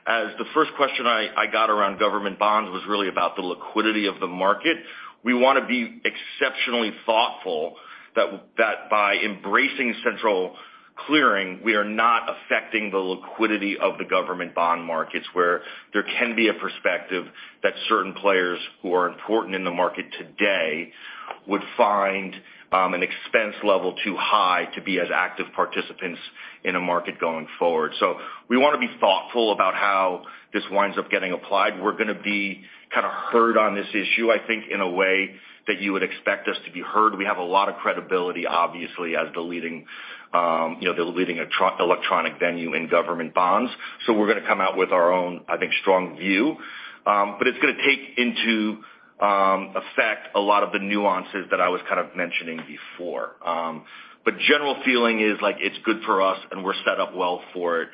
as the first question I got around government bonds was really about the liquidity of the market. We wanna be exceptionally thoughtful that by embracing central clearing, we are not affecting the liquidity of the government bond markets, where there can be a perspective that certain players who are important in the market today would find an expense level too high to be as active participants in a market going forward. We wanna be thoughtful about how this winds up getting applied. We're gonna be kind of heard on this issue, I think, in a way that you would expect us to be heard. We have a lot of credibility, obviously, as the leading, you know, the leading electronic venue in government bonds. We're gonna come out with our own, I think, strong view. It's gonna take into effect a lot of the nuances that I was kind of mentioning before. General feeling is like it's good for us and we're set up well for it.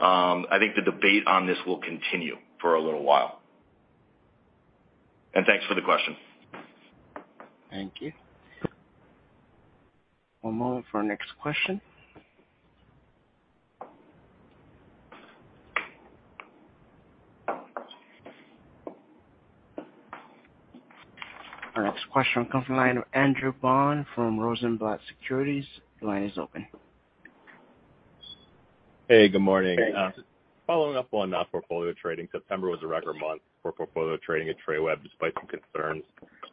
I think the debate on this will continue for a little while. Thanks for the question. Thank you. One moment for our next question. Our next question comes from the line of Andrew Bond from Rosenblatt Securities. Your line is open. Hey, good morning. Following up on not portfolio trading, September was a record month for portfolio trading at Tradeweb despite some concerns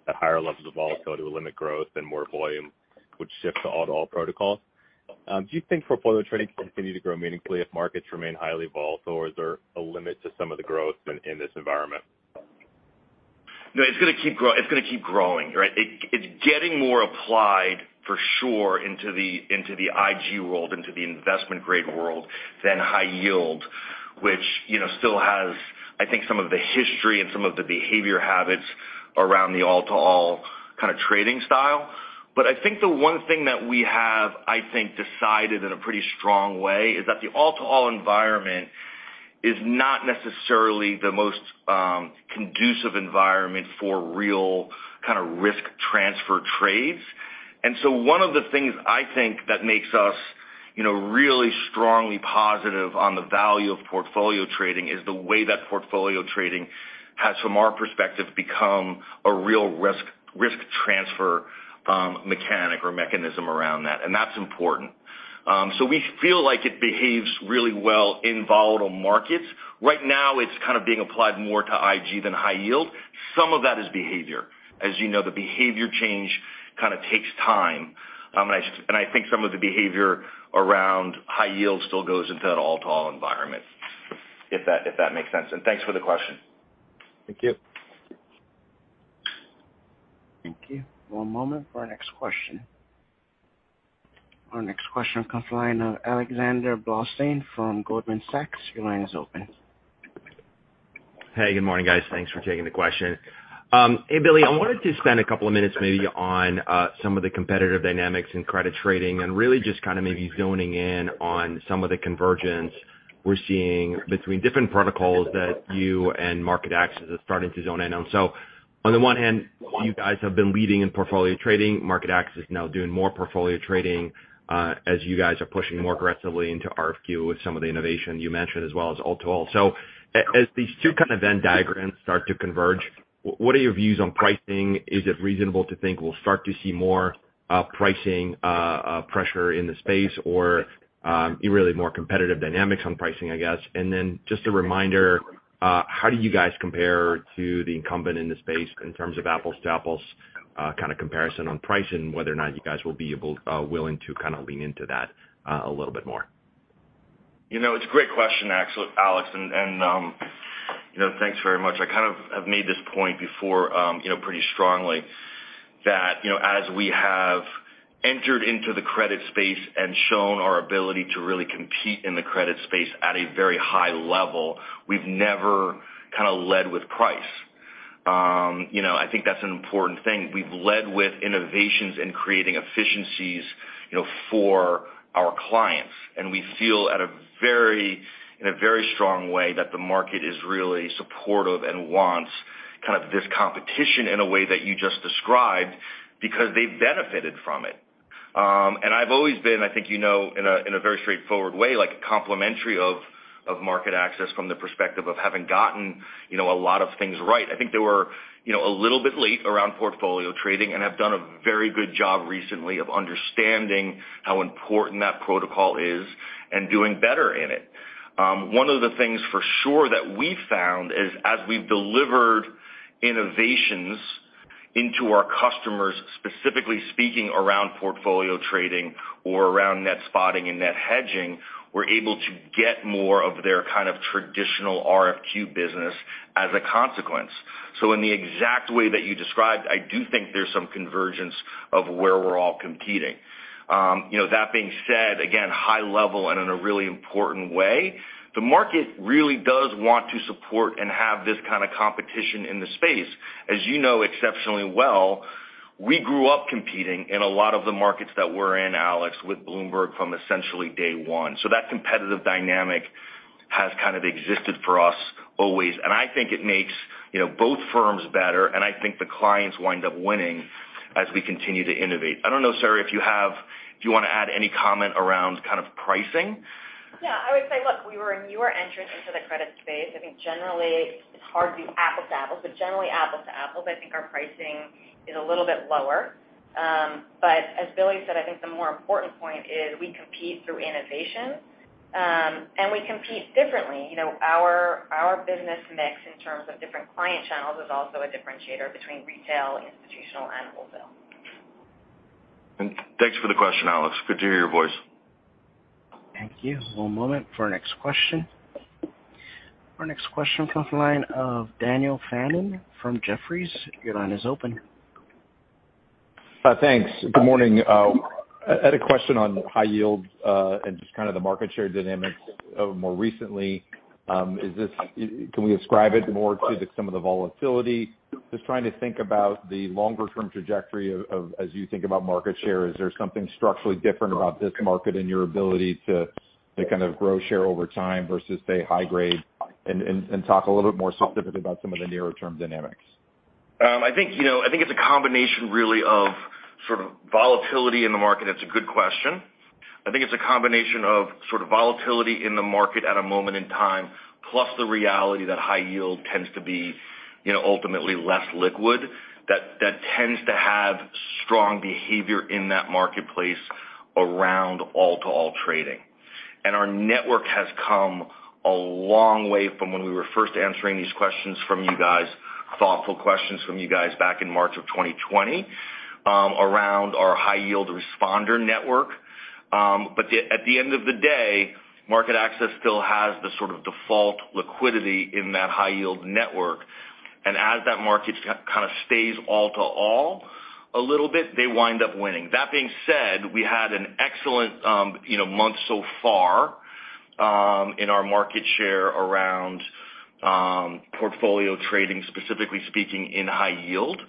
that higher levels of volatility would limit growth and more volume would shift to all-to-all protocols. Do you think portfolio trading can continue to grow meaningfully if markets remain highly volatile or is there a limit to some of the growth in this environment? No, it's gonna keep growing, right? It's getting more applied for sure into the IG world, into the investment-grade world than high yield, which, you know, still has, I think, some of the history and some of the behavior habits around the all-to-all kind of trading style. I think the one thing that we have, I think, decided in a pretty strong way is that the all-to-all environment is not necessarily the most conducive environment for real kind of risk transfer trades. One of the things I think that makes us, you know, really strongly positive on the value of portfolio trading is the way that portfolio trading has, from our perspective, become a real risk transfer mechanic or mechanism around that and that's important. We feel like it behaves really well in volatile markets. Right now, it's kind of being applied more to IG than high yield. Some of that is behavior. As you know, the behavior change kind of takes time. I think some of the behavior around high yield still goes into that all-to-all environment, if that makes sense. Thanks for the question. Thank you. Thank you. One moment for our next question. Our next question comes from the line of Alex Blostein from Goldman Sachs. Your line is open. Hey, good morning, guys. Thanks for taking the question. Hey, Billy, I wanted to spend a couple of minutes maybe on some of the competitive dynamics in credit trading and really just kind of maybe zoning in on some of the convergence we're seeing between different protocols that you and MarketAxess are starting to zone in on. On the one hand, you guys have been leading in portfolio trading. MarketAxess now doing more portfolio trading, as you guys are pushing more aggressively into RFQ with some of the innovation you mentioned, as well as all-to-all. As these two kind of Venn diagrams start to converge, what are your views on pricing? Is it reasonable to think we'll start to see more pricing pressure in the space or really more competitive dynamics on pricing, I guess? Just a reminder, how do you guys compare to the incumbent in the space in terms of apples to apples kind of comparison on pricing, whether or not you guys will be willing to kind of lean into that a little bit more? You know, it's a great question, Alex. You know, thanks very much. I kind of have made this point before, you know, pretty strongly that, you know, as we have entered into the credit space and shown our ability to really compete in the credit space at a very high level, we've never kind of led with price. You know, I think that's an important thing. We've led with innovations and creating efficiencies, you know, for our clients. We feel in a very strong way that the market is really supportive and wants kind of this competition in a way that you just described because they benefited from it. I've always been, I think you know, in a, in a very straightforward way, like complimentary of MarketAxess from the perspective of having gotten, you know, a lot of things right. I think they were, you know, a little bit late around portfolio trading and have done a very good job recently of understanding how important that protocol is and doing better in it. One of the things for sure that we found is, as we've delivered innovations into our customers, specifically speaking around portfolio trading or around Net Spotting and Net Hedging, we're able to get more of their kind of traditional RFQ business as a consequence. In the exact way that you described, I do think there's some convergence of where we're all competing. You know, that being said, again, high level and in a really important way, the market really does want to support and have this kind of competition in the space. As you know exceptionally well, we grew up competing in a lot of the markets that we're in, Alex, with Bloomberg from essentially day one. That competitive dynamic has kind of existed for us always and I think it makes, you know, both firms better and I think the clients wind up winning as we continue to innovate. I don't know, Sara, if you wanna add any comment around kind of pricing. Yeah. I would say, look, we were a newer entrant into the credit space. I think generally it's hard to do apples to apples but generally apples to apples, I think our pricing is a little bit lower. But as Billy said, I think the more important point is we compete through innovation and we compete differently. You know, our business mix in terms of different client channels is also a differentiator between retail, institutional and wholesale. Thanks for the question, Alex. Good to hear your voice. Thank you. One moment for our next question. Our next question comes from the line of Daniel Fannon from Jefferies. Your line is open. Thanks. Good morning. I had a question on high yields and just kind of the market share dynamics, more recently. Can we ascribe it more to some of the volatility? Just trying to think about the longer term trajectory of, as you think about market share, is there something structurally different about this market and your ability to kind of grow share over time versus, say, high grade? Talk a little bit more specifically about some of the nearer term dynamics. I think, you know, I think it's a combination really of sort of volatility in the market. It's a good question. I think it's a combination of sort of volatility in the market at a moment in time, plus the reality that high yield tends to be, you know, ultimately less liquid, that tends to have strong behavior in that marketplace around all-to-all trading. Our network has come a long way from when we were first answering these questions from you guys, thoughtful questions from you guys back in March of 2020, around our high yield responder network. But at the end of the day, MarketAxess still has the sort of default liquidity in that high yield network. As that market kind of stays all to all a little bit, they wind up winning. That being said, we had an excellent, you know, month so far, in our market share around, portfolio trading, specifically speaking in high yield.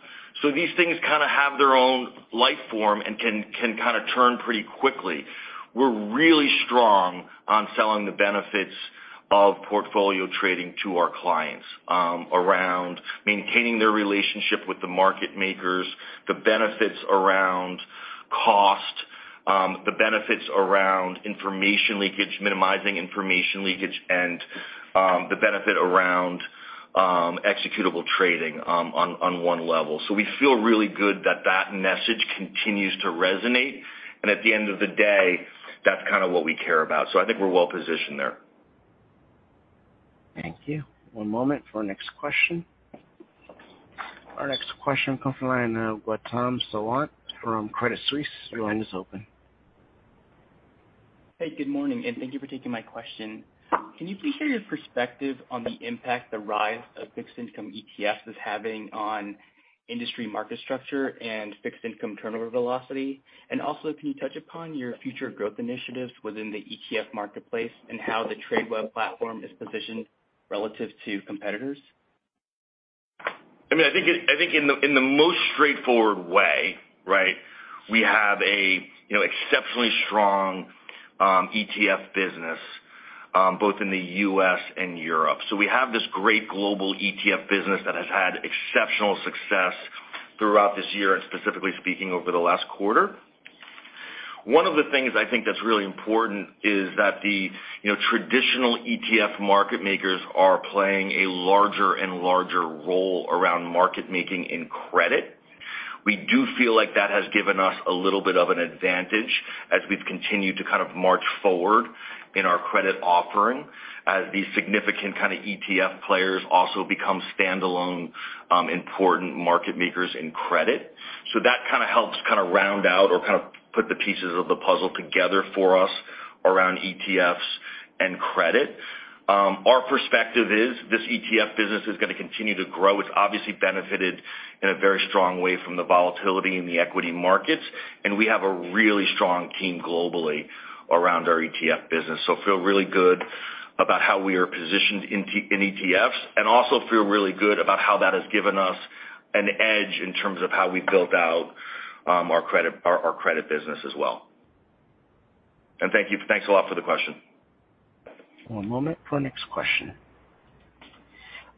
These things kind of have their own life form and can kind of turn pretty quickly. We're really strong on selling the benefits of portfolio trading to our clients, around maintaining their relationship with the market makers, the benefits around cost, the benefits around information leakage, minimizing information leakage and, the benefit around, executable trading, on one level. We feel really good that that message continues to resonate. At the end of the day, that's kind of what we care about. I think we're well positioned there. Thank you. One moment for our next question. Our next question comes from the line of Gautam Sawant from Credit Suisse. Your line is open. Hey, good morning and thank you for taking my question. Can you please share your perspective on the impact the rise of fixed income ETFs is having on industry market structure and fixed income turnover velocity? Can you touch upon your future growth initiatives within the ETF marketplace and how the Tradeweb platform is positioned relative to competitors? I mean, I think in the most straightforward way, right, we have a, you know, exceptionally strong ETF business both in the U.S. and Europe. We have this great global ETF business that has had exceptional success throughout this year and specifically speaking over the last quarter. One of the things I think that's really important is that the, you know, traditional ETF market makers are playing a larger and larger role around market making in credit. We do feel like that has given us a little bit of an advantage as we've continued to kind of march forward in our credit offering, as these significant kind of ETF players also become standalone important market makers in credit. That kind of helps kind of round out or kind of put the pieces of the puzzle together for us around ETFs and credit. Our perspective is this ETF business is gonna continue to grow. It's obviously benefited in a very strong way from the volatility in the equity markets and we have a really strong team globally around our ETF business. We feel really good about how we are positioned in ETFs and also feel really good about how that has given us an edge in terms of how we've built out our credit business as well. Thank you. Thanks a lot for the question. One moment for our next question.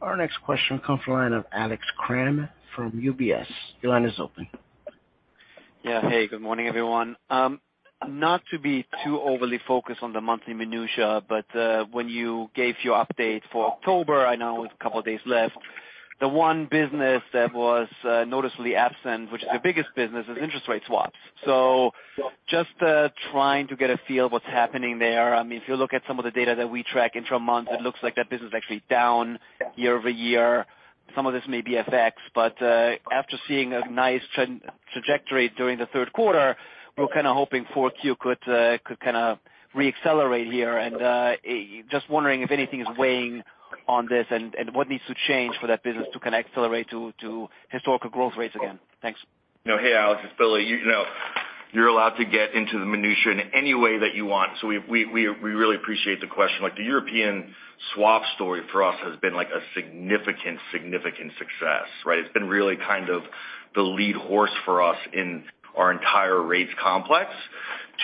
Our next question comes from the line of Alex Kramm from UBS. Your line is open. Yeah. Hey, good morning, everyone. Not to be too overly focused on the monthly minutiae but when you gave your update for October, I know with a couple of days left, the one business that was noticeably absent, which is your biggest business, is interest rate swaps. Just trying to get a feel of what's happening there. I mean, if you look at some of the data that we track intra-month, it looks like that business is actually down year-over-year. Some of this may be FX but after seeing a nice trajectory during the third quarter, we're kind of hoping 4Q could kind of reaccelerate here. Just wondering if anything is weighing on this and what needs to change for that business to kind of accelerate to historical growth rates again. Thanks. No. Hey, Alex. It's Billy. You know, you're allowed to get into the minutiae in any way that you want. We really appreciate the question. Like, the European swap story for us has been like a significant success, right? It's been really kind of the lead horse for us in our entire rates complex.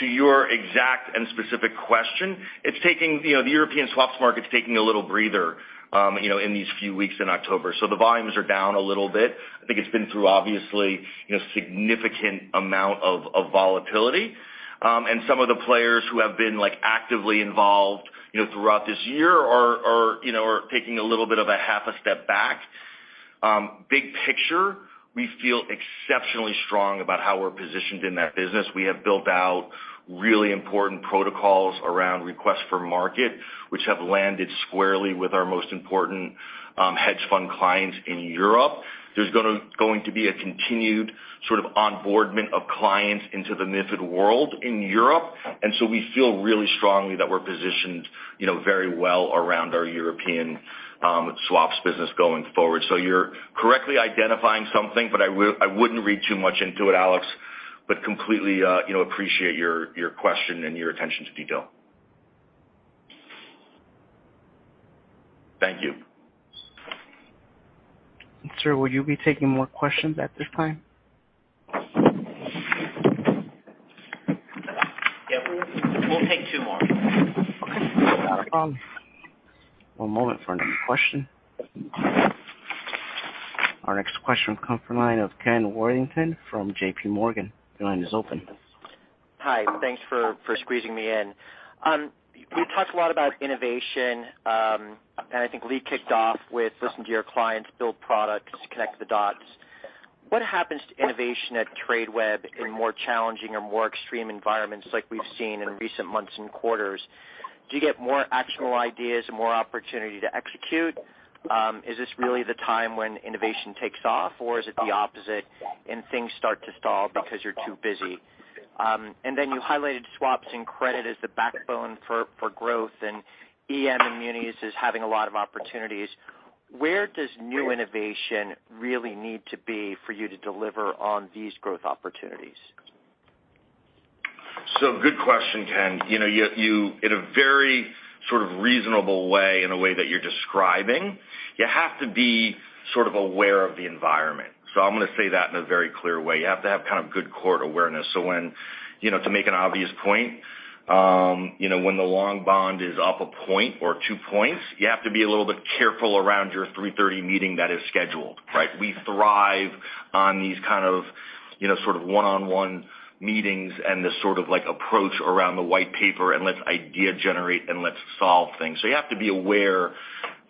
To your exact and specific question, it's taking. You know, the European swaps market's taking a little breather, you know, in these few weeks in October. So the volumes are down a little bit. I think it's been through obviously, you know, significant amount of volatility. Some of the players who have been, like, actively involved, you know, throughout this year are taking a little bit of a half a step back. Big picture, we feel exceptionally strong about how we're positioned in that business. We have built out really important protocols around request for quote, which have landed squarely with our most important hedge fund clients in Europe. There's going to be a continued sort of onboarding of clients into the MiFID world in Europe and we feel really strongly that we're positioned, you know, very well around our European swaps business going forward. You're correctly identifying something but I wouldn't read too much into it, Alex. Completely, you know, appreciate your question and your attention to detail. Thank you. Sir, will you be taking more questions at this time? Yeah. We'll take two more. Okay. One moment for another question. Our next question comes from the line of Ken Worthington from JPMorgan. Your line is open. Hi. Thanks for squeezing me in. You talked a lot about innovation and I think Lee kicked off with listen to your clients, build products, connect the dots. What happens to innovation at Tradeweb in more challenging or more extreme environments like we've seen in recent months and quarters? Do you get more actual ideas and more opportunity to execute? Is this really the time when innovation takes off or is it the opposite and things start to stall because you're too busy? And then you highlighted swaps and credit as the backbone for growth and EM and munis is having a lot of opportunities. Where does new innovation really need to be for you to deliver on these growth opportunities? Good question, Ken. You know, you in a very sort of reasonable way, in a way that you're describing, you have to be sort of aware of the environment. I'm gonna say that in a very clear way. You have to have kind of good core awareness. When you know, to make an obvious point, you know, when the long bond is up a point or two points, you have to be a little bit careful around your 3:30 P.M. meeting that is scheduled, right? We thrive on these kind of, you know, sort of one-on-one meetings and this sort of, like, approach around the whitepaper and let's ideate and let's solve things. You have to be aware,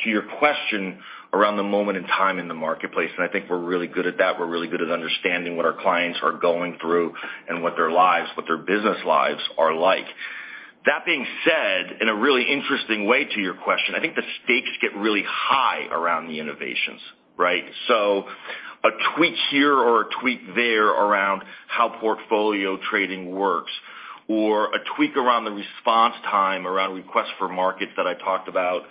to your question, around the moment in time in the marketplace and I think we're really good at that. We're really good at understanding what our clients are going through and what their lives, what their business lives are like. That being said, in a really interesting way to your question, I think the stakes get really high around the innovations, right? A tweak here or a tweak there around how portfolio trading works or a tweak around the response time around requests for markets that I talked about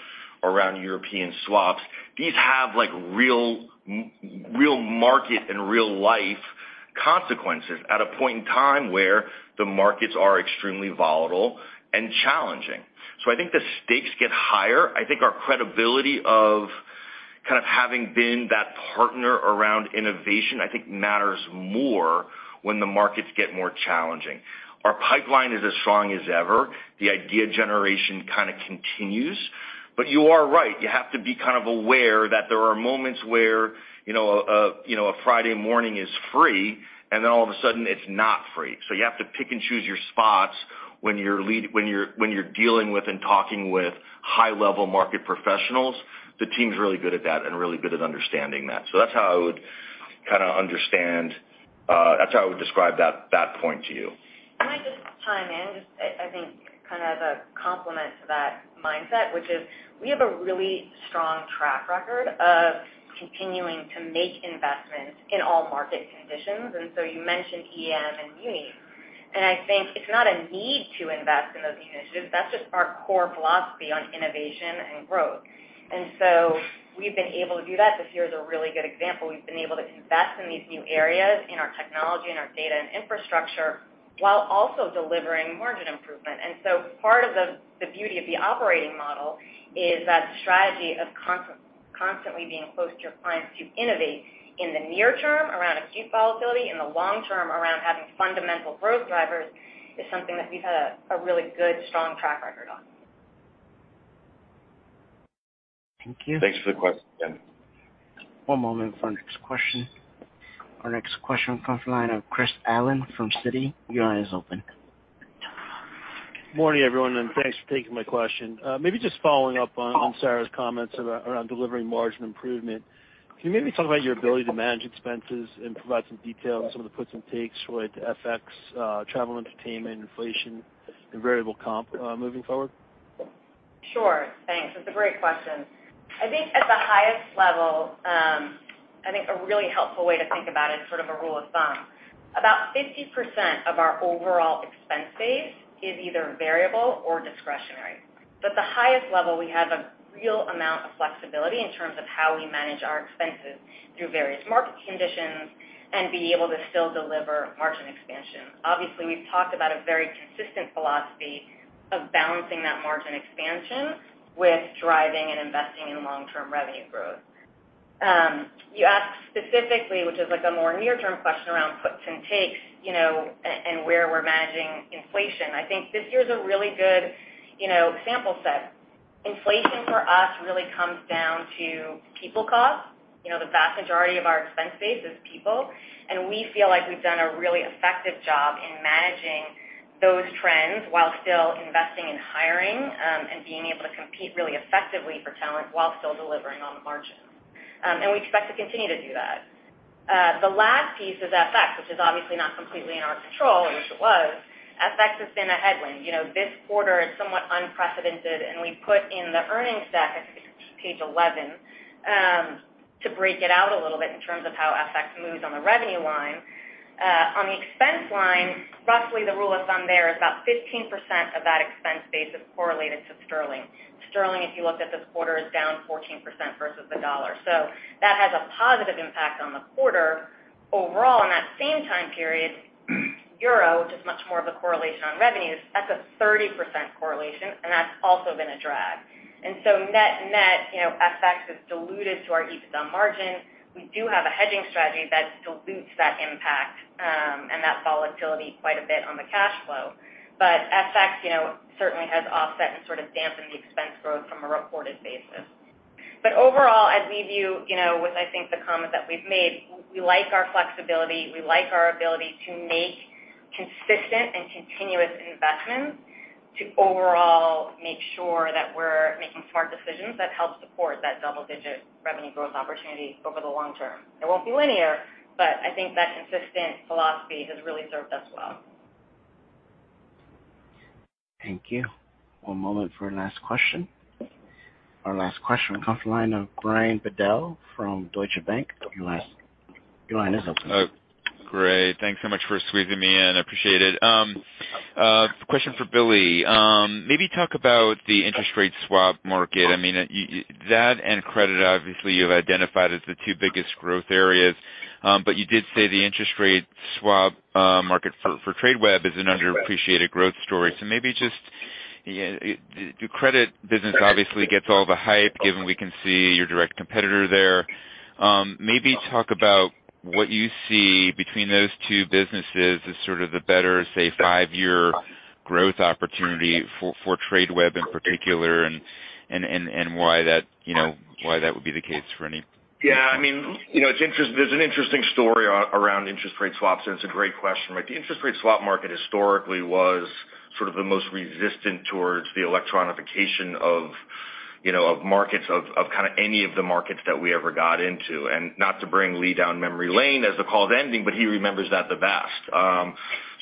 around European swaps, these have, like, real market and real life consequences at a point in time where the markets are extremely volatile and challenging. I think the stakes get higher. I think our credibility of kind of having been that partner around innovation, I think matters more when the markets get more challenging. Our pipeline is as strong as ever. The idea generation kind of continues. You are right. You have to be kind of aware that there are moments where, you know, a Friday morning is free and then all of a sudden it's not free. You have to pick and choose your spots when you're dealing with and talking with high-level market professionals. The team's really good at that and really good at understanding that. That's how I would kind of understand. That's how I would describe that point to you. Can I just chime in? I think kind of a complement to that mindset, which is we have a really strong track record of continuing to make investments in all market conditions. You mentioned EM and muni and I think it's not a need to invest in those initiatives. That's just our core philosophy on innovation and growth. We've been able to do that. This year is a really good example. We've been able to invest in these new areas, in our technology, in our data and infrastructure, while also delivering margin improvement. Part of the beauty of the operating model is that strategy of constantly being close to your clients to innovate in the near term around acute volatility, in the long term around having fundamental growth drivers is something that we've had a really good, strong track record on. Thank you. Thanks for the question, Ken. One moment for our next question. Our next question comes from the line of Chris Allen from Citi. Your line is open. Morning, everyone and thanks for taking my question. Maybe just following up on Sara's comments around delivering margin improvement. Can you maybe talk about your ability to manage expenses and provide some detail on some of the puts and takes related to FX, travel, entertainment, inflation and variable comp, moving forward? Sure. Thanks. That's a great question. I think at the highest level, I think a really helpful way to think about it in sort of a rule of thumb, about 50% of our overall expense base is either variable or discretionary. But the highest level, we have a real amount of flexibility in terms of how we manage our expenses through various market conditions and be able to still deliver margin expansion. Obviously, we've talked about a very consistent philosophy of balancing that margin expansion with driving and investing in long-term revenue growth. You asked specifically, which is like a more near-term question around puts and takes, you know and where we're managing inflation. I think this year is a really good, you know, sample set. Inflation for us really comes down to people costs. You know, the vast majority of our expense base is people and we feel like we've done a really effective job in managing those trends while still investing in hiring and being able to compete really effectively for talent while still delivering on the margins. We expect to continue to do that. The last piece is FX, which is obviously not completely in our control. I wish it was. FX has been a headwind. You know, this quarter is somewhat unprecedented and we put in the earnings deck, I think it's page 11, to break it out a little bit in terms of how FX moves on the revenue line. On the expense line, roughly the rule of thumb there is about 15% of that expense base is correlated to sterling. Sterling, if you looked at this quarter, is down 14% versus the dollar. That has a positive impact on the quarter. Overall, in that same time period, euro, which is much more of a correlation on revenues, that's a 30% correlation and that's also been a drag. Net-net, you know, FX is diluted to our EBITDA margin. We do have a hedging strategy that dilutes that impact and that volatility quite a bit on the cash flow. But FX, you know, certainly has offset and sort of dampened the expense growth from a reported basis. Overall, as we view, you know, with, I think, the comments that we've made, we like our flexibility, we like our ability to make consistent and continuous investments to overall make sure that we're making smart decisions that help support that double-digit revenue growth opportunity over the long term. It won't be linear but I think that consistent philosophy has really served us well. Thank you. One moment for the last question. Our last question comes from the line of Brian Bedell from Deutsche Bank. Your line is open. Great. Thanks so much for squeezing me in. I appreciate it. Question for Billy. Maybe talk about the interest rate swap market. I mean, that and credit, obviously, you've identified as the two biggest growth areas. You did say the interest rate swap market for Tradeweb is an underappreciated growth story. Maybe just your credit business obviously gets all the hype, given we can see your direct competitor there. Maybe talk about what you see between those two businesses as sort of the better, say, five-year growth opportunity for Tradeweb in particular and why that, you know, why that would be the case for any? Yeah. I mean, you know, there's an interesting story around interest rate swaps and it's a great question, right? The interest rate swap market historically was sort of the most resistant towards the electronification of markets, kind of any of the markets that we ever got into. Not to bring Lee down memory lane as the call is ending but he remembers that the best.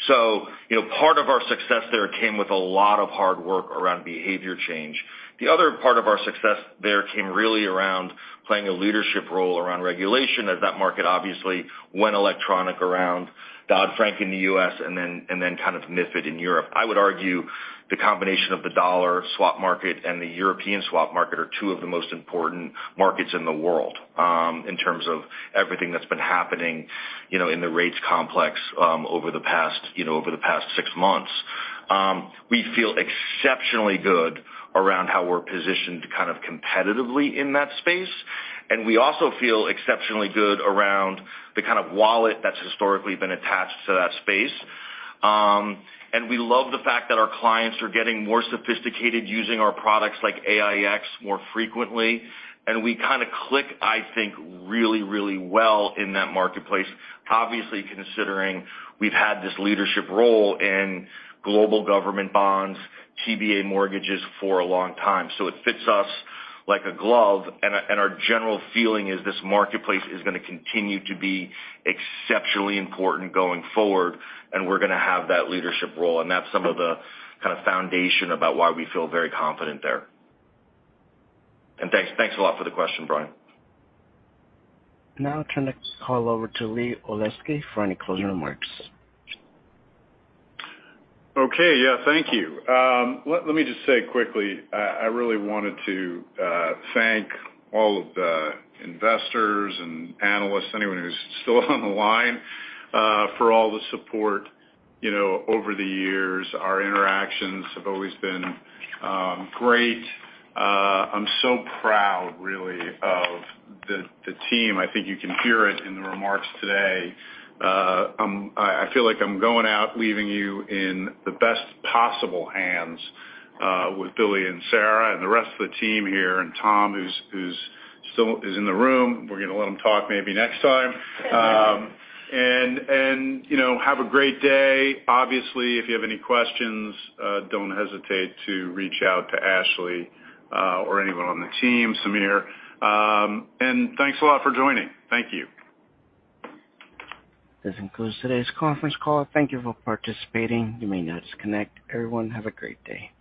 So, you know, part of our success there came with a lot of hard work around behavior change. The other part of our success there came really around playing a leadership role around regulation as that market obviously went electronic around Dodd-Frank in the US and then kind of MiFID in Europe. I would argue the combination of the dollar swap market and the European swap market are two of the most important markets in the world, in terms of everything that's been happening, you know, in the rates complex, over the past, you know, over the past six months. We feel exceptionally good around how we're positioned kind of competitively in that space and we also feel exceptionally good around the kind of wallet that's historically been attached to that space. We love the fact that our clients are getting more sophisticated using our products like AiEX more frequently and we kind of click, I think, really, really well in that marketplace. Obviously, considering we've had this leadership role in global government bonds, TBA mortgages for a long time. It fits us like a glove. Our general feeling is this marketplace is gonna continue to be exceptionally important going forward and we're gonna have that leadership role and that's some of the kind of foundation about why we feel very confident there. Thanks a lot for the question, Brian. Now I turn this call over to Lee Olesky for any closing remarks. Okay. Yeah, thank you. Let me just say quickly, I really wanted to thank all of the investors and analysts, anyone who's still on the line, for all the support, you know, over the years. Our interactions have always been great. I'm so proud really of the team. I think you can hear it in the remarks today. I feel like I'm going out leaving you in the best possible hands with Billy and Sara and the rest of the team here and Tom, who's still in the room. We're gonna let him talk maybe next time. You know, have a great day. Obviously, if you have any questions, don't hesitate to reach out to Ashley or anyone on the team, Samir. Thanks a lot for joining. Thank you. This concludes today's conference call. Thank you for participating. You may now disconnect. Everyone, have a great day.